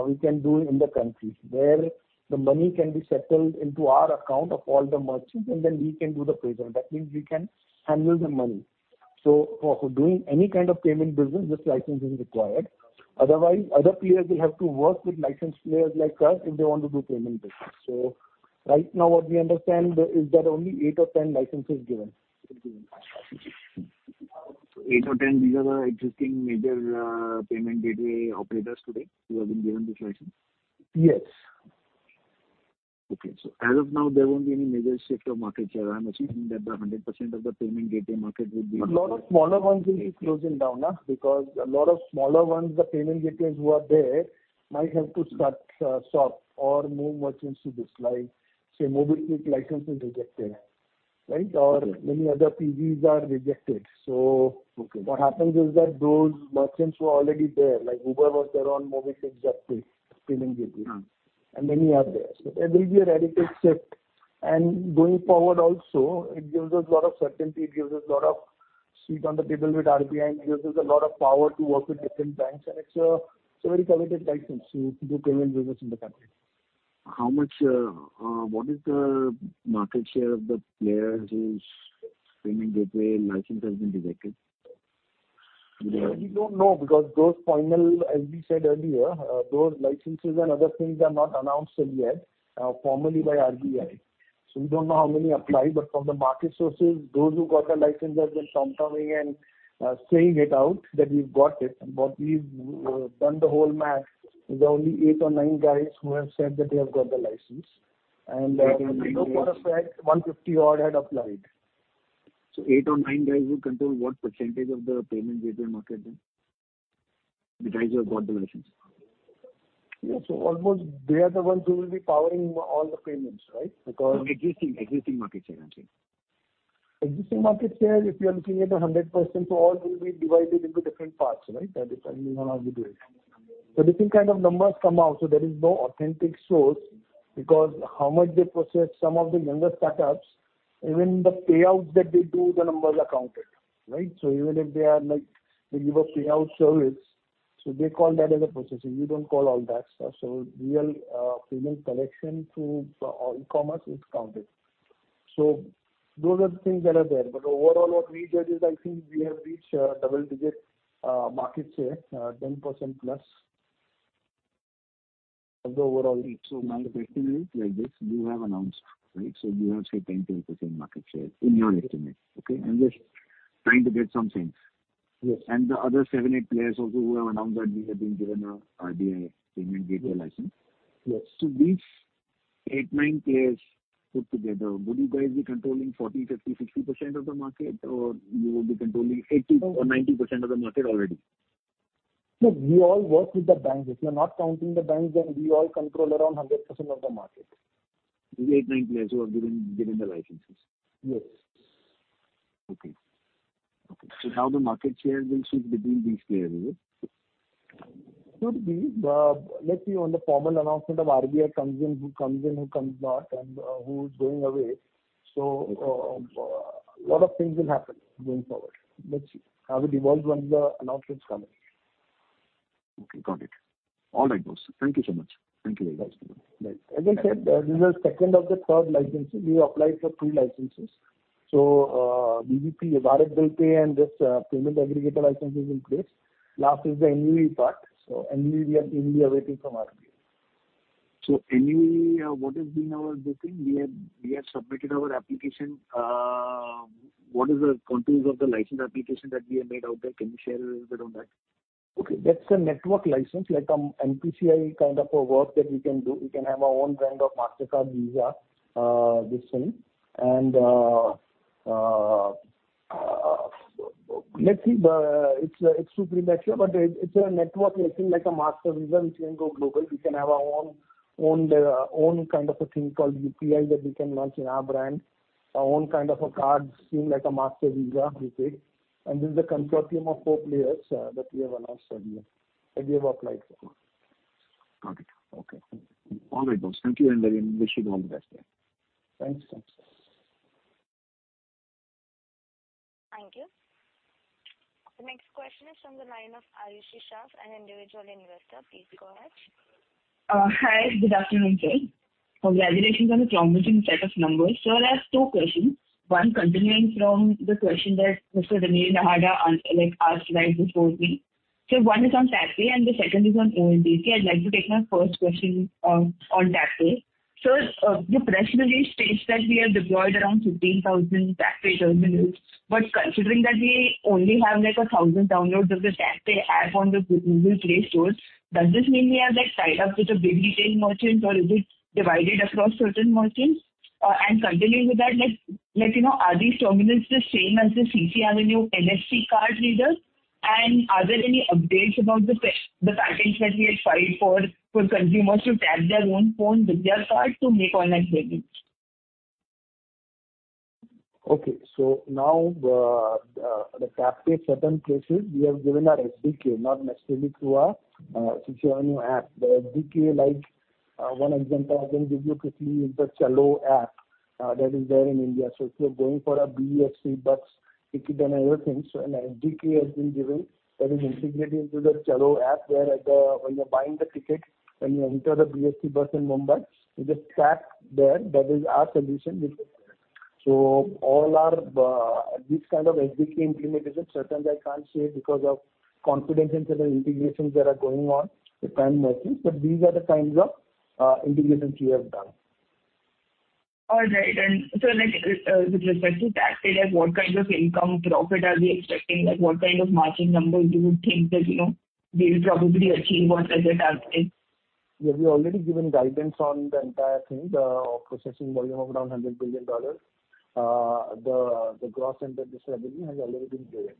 S3: we can do in the country where the money can be settled into our account of all the merchants and then we can do the payment. That means we can handle the money. For doing any kind of payment business, this license is required. Otherwise, other players will have to work with licensed players like us if they want to do payment business. Right now, what we understand is there are only eight or 10 licenses given in
S13: 8 or 10, these are the existing major payment gateway operators today who have been given this license?
S3: Yes.
S13: Okay. As of now, there won't be any major shift of market share. I'm assuming that the 100% of the payment gateway market will be-
S3: A lot of smaller ones will be closing down, huh? Because a lot of smaller ones, the payment gateways who are there might have to start, stop or move merchants to this, like, say, MobiKwik license is rejected, right?
S13: Okay.
S3: Many other PGs are rejected.
S13: Okay.
S3: What happens is that those merchants who are already there, like Uber was there on MobiKwik exactly, payment gateway.
S13: Mm-hmm.
S3: Many are there. There will be a relative shift. Going forward also, it gives us a lot of certainty, a seat at the table with RBI and gives us a lot of power to work with different banks. It's a very coveted license to do payment business in the country.
S13: How much, what is the market share of the players whose payment gateway license has been rejected? Do they have-
S3: We don't know because those final, as we said earlier, those licenses and other things are not announced yet, formally by RBI. We don't know how many applied. From the market sources, those who got the license have been coming and, saying it out that we've got it. We've done the whole math. There are only eight or nine guys who have said that they have got the license. If we go by the fact, 150 odd had applied.
S13: 8 or 9 guys will control what percentage of the payment gateway market then? The guys who have got the license.
S3: Yeah. Almost they are the ones who will be powering all the payments, right? Because.
S13: Existing market share, I'm saying.
S3: Existing market share, if you are looking at 100%, all will be divided into different parts, right? Depending on how you do it. Different kind of numbers come out, so there is no authentic source because how much they process some of the younger startups, even the payouts that they do, the numbers are counted, right? Even if they are like, they give a payout service, they call that as a processing. You don't call all that stuff. Real payment collection through e-commerce is counted. Those are the things that are there. Overall what we judge is I think we have reached double-digit market share, 10% plus of the overall-
S13: Now effectively like this, you have announced, right? You have said 10% market share in your estimate. Okay? I'm just trying to get some sense.
S3: Yes.
S13: The other seven, eight players also who have announced that we have been given a RBI payment gateway license.
S3: Yes.
S13: these 8, 9 players put together, would you guys be controlling 40, 50, 60% of the market, or you would be controlling 80 or 90% of the market already?
S3: No, we all work with the banks. If you're not counting the banks, then we all control around 100% of the market.
S13: The 8 or 9 players who have been given the licenses?
S3: Yes.
S13: Okay. Now the market share will shift between these players, right?
S3: Could be. Let's see on the formal announcement of RBI comes in, who comes in, who comes not, and who's going away. Lot of things will happen going forward. Let's see how it evolves once the announcements come in.
S13: Okay, got it. All right, boss. Thank you so much. Thank you very much.
S3: As I said, this is the second of the three licenses. We applied for three licenses. BBP, Bharat BillPay and this, payment aggregator license is in place. Last is the NUE part. NUE we are keenly awaiting from RBI.
S13: NUE, what has been our booking? We have submitted our application. What is the contents of the license application that we have made out there? Can you share a little bit on that?
S3: Okay. That's a network license, like NPCI kind of a work that we can do. We can have our own brand of Mastercard, Visa, this thing. Let's see. It's too premature, but it's a network license like a Mastercard, Visa, which can go global. We can have our own kind of a thing called UPI that we can launch in our brand. Our own kind of a card scheme like a Mastercard, Visa, we said. This is a consortium of four players that we have announced earlier, that we have applied for.
S13: Got it. Okay. All right, boss. Thank you and I wish you all the best then.
S3: Thanks.
S1: Thank you. The next question is from the line of Ayushi Shah, an individual investor. Please go ahead.
S14: Hi, good afternoon, sir. Congratulations on the promising set of numbers. Sir, I have two questions. One continuing from the question that Mr. Anil Nahata like asked right before me. One is on TapPay and the second is on ONDC. I'd like to take my first question on TapPay. Sir, the press release states that we have deployed around 15,000 TapPay terminals. But considering that we only have like 1,000 downloads of the TapPay app on the Google Play store, does this mean we are, like, tied up with a big retail merchant or is it divided across certain merchants? Continuing with that, like, you know, are these terminals the same as the CCAvenue NFC card readers? Are there any updates about the patents that we had filed for consumers to tag their own phone with their card to make online payments?
S3: Okay. Now, the TapPay certain cases, we have given our SDK, not necessarily through our new app. The SDK, like, one example I can give you quickly is the Chalo app that is there in India. If you're going for a BEST bus, it can do everything. An SDK has been given that is integrated into the Chalo app, where, like, when you're buying the ticket, when you enter the BEST bus in Mumbai, you just tap there. That is our solution with the BEST. All our this kind of SDK implementation, certainly I can't say because of confidential integrations that are going on with time machines. These are the kinds of integrations we have done.
S14: All right. Like, with respect to TapPay, like, what kinds of income profit are we expecting? Like, what kind of margin numbers do you think that, you know, we'll probably achieve once that gets activated?
S3: We have already given guidance on the entire thing, the processing volume of around $100 billion. The gross and the revenue has already been given.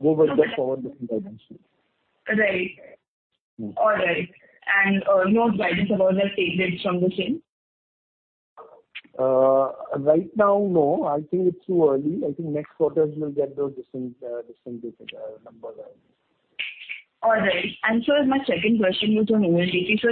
S14: So like-
S3: level of the discount, like 5% discount. It can be. Go with the forward-looking guidance.
S14: Right. All right. No guidance about the take rates from the same?
S3: Right now, no. I think it's too early. I think next quarters we'll get those decent digital numbers at least.
S14: All right. Sir, my second question was on ONDC. It's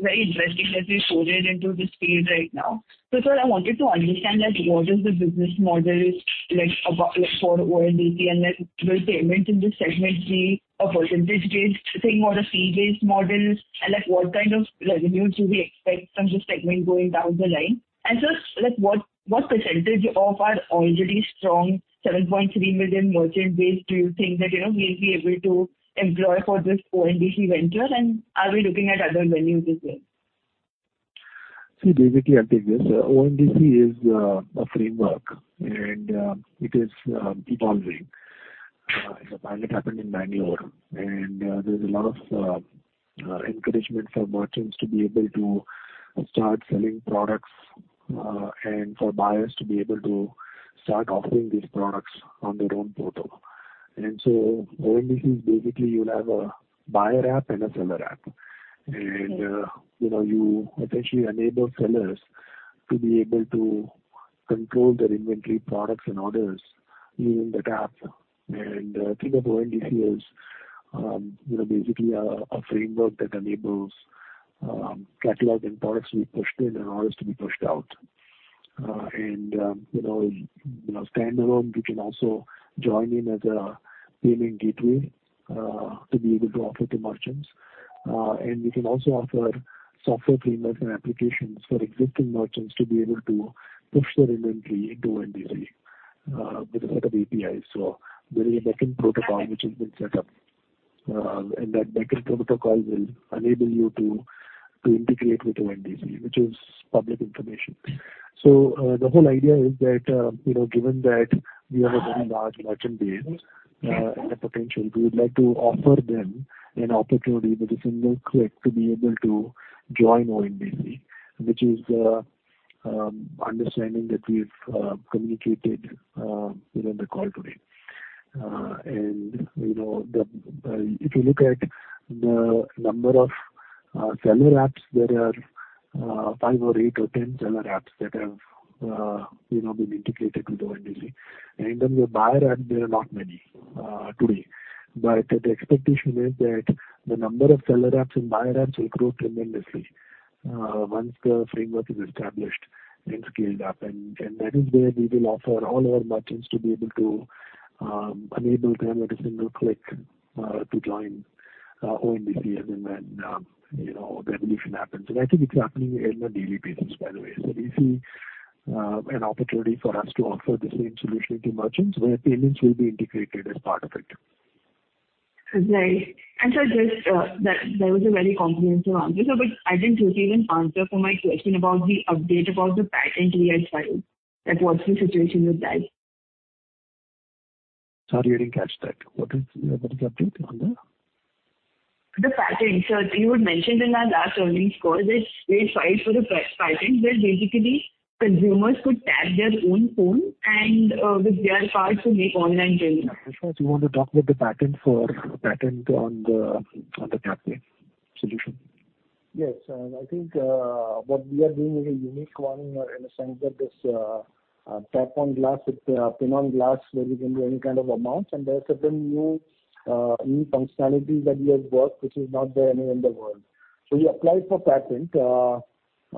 S14: very interesting that we forayed into this space right now. Sir, I wanted to understand, like, what is the business model is like about, like, for ONDC and, like, will payments in this segment be a percentage-based thing or a fee-based model? Like, what kind of revenue do we expect from this segment going down the line? Sir, like, what percentage of our already strong 7.3 million merchant base do you think that, you know, we'll be able to employ for this ONDC venture? Are we looking at other avenues as well?
S3: See, basically, I'll take this. ONDC is a framework and it is evolving. As a pilot happened in Bangalore. There's a lot of encouragement for merchants to be able to start selling products and for buyers to be able to start offering these products on their own portal. ONDC is basically you'll have a buyer app and a seller app.
S14: Okay.
S3: You know, you essentially enable sellers to be able to control their inventory products and orders using that app. Think of ONDC as you know, basically a framework that enables catalog and products to be pushed in and orders to be pushed out. You know, standalone, we can also join in as a payment gateway to be able to offer to merchants. We can also offer software frameworks and applications for existing merchants to be able to push their inventory into ONDC with a set of APIs. There is a backend protocol which has been set up, and that backend protocol will enable you to integrate with ONDC, which is public information. The whole idea is that, you know, given that we have a very large merchant base and the potential, we would like to offer them an opportunity with a single click to be able to join ONDC, which is the understanding that we've communicated within the call today. If you look at the number of seller apps, there are five or eight or 10 seller apps that have, you know, been integrated with ONDC. In terms of buyer apps, there are not many today. The expectation is that the number of seller apps and buyer apps will grow tremendously once the framework is established and scaled up. That is where we will offer all our merchants to be able to enable them at a single click to join ONDC. You know, the evolution happens. I think it's happening on a daily basis, by the way. We see an opportunity for us to offer the same solution to merchants where payments will be integrated as part of it.
S14: Right. Sir, just that was a very comprehensive answer. I didn't receive an answer for my question about the update about the patent we had filed. Like, what's the situation with that?
S3: Sorry, I didn't catch that. What is the update on the?
S14: The patent. You had mentioned in our last earnings call that we had filed for the patent where basically consumers could tag their own phone and with their card to make online payments.
S3: Ashish, you want to talk about the patent on the TapPay solution?
S13: Yes. I think what we are doing is a unique one in a sense that this tap on glass with PIN on glass where you can do any kind of amounts and there are certain new functionalities that we have worked, which is not there anywhere in the world. We applied for patent.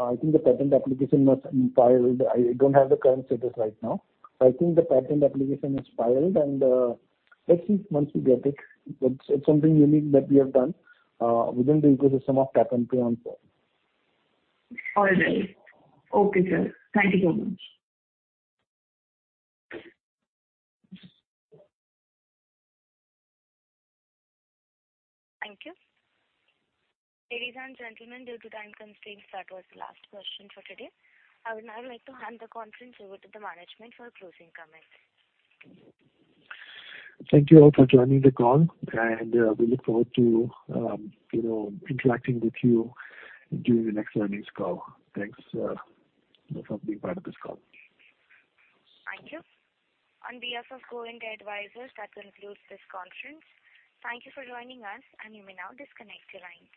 S13: I think the patent application was filed. I don't have the current status right now. I think the patent application is filed, and let's see once we get it. It's something unique that we have done within the ecosystem of tap and pay on phone.
S14: All right. Okay, sir. Thank you so much.
S1: Thank you. Ladies and gentlemen, due to time constraints, that was the last question for today. I would now like to hand the conference over to the management for closing comments.
S3: Thank you all for joining the call, and we look forward to, you know, interacting with you during the next earnings call. Thanks, you know, for being part of this call.
S1: Thank you. On behalf of Go India Advisors, that concludes this conference. Thank you for joining us, and you may now disconnect your lines.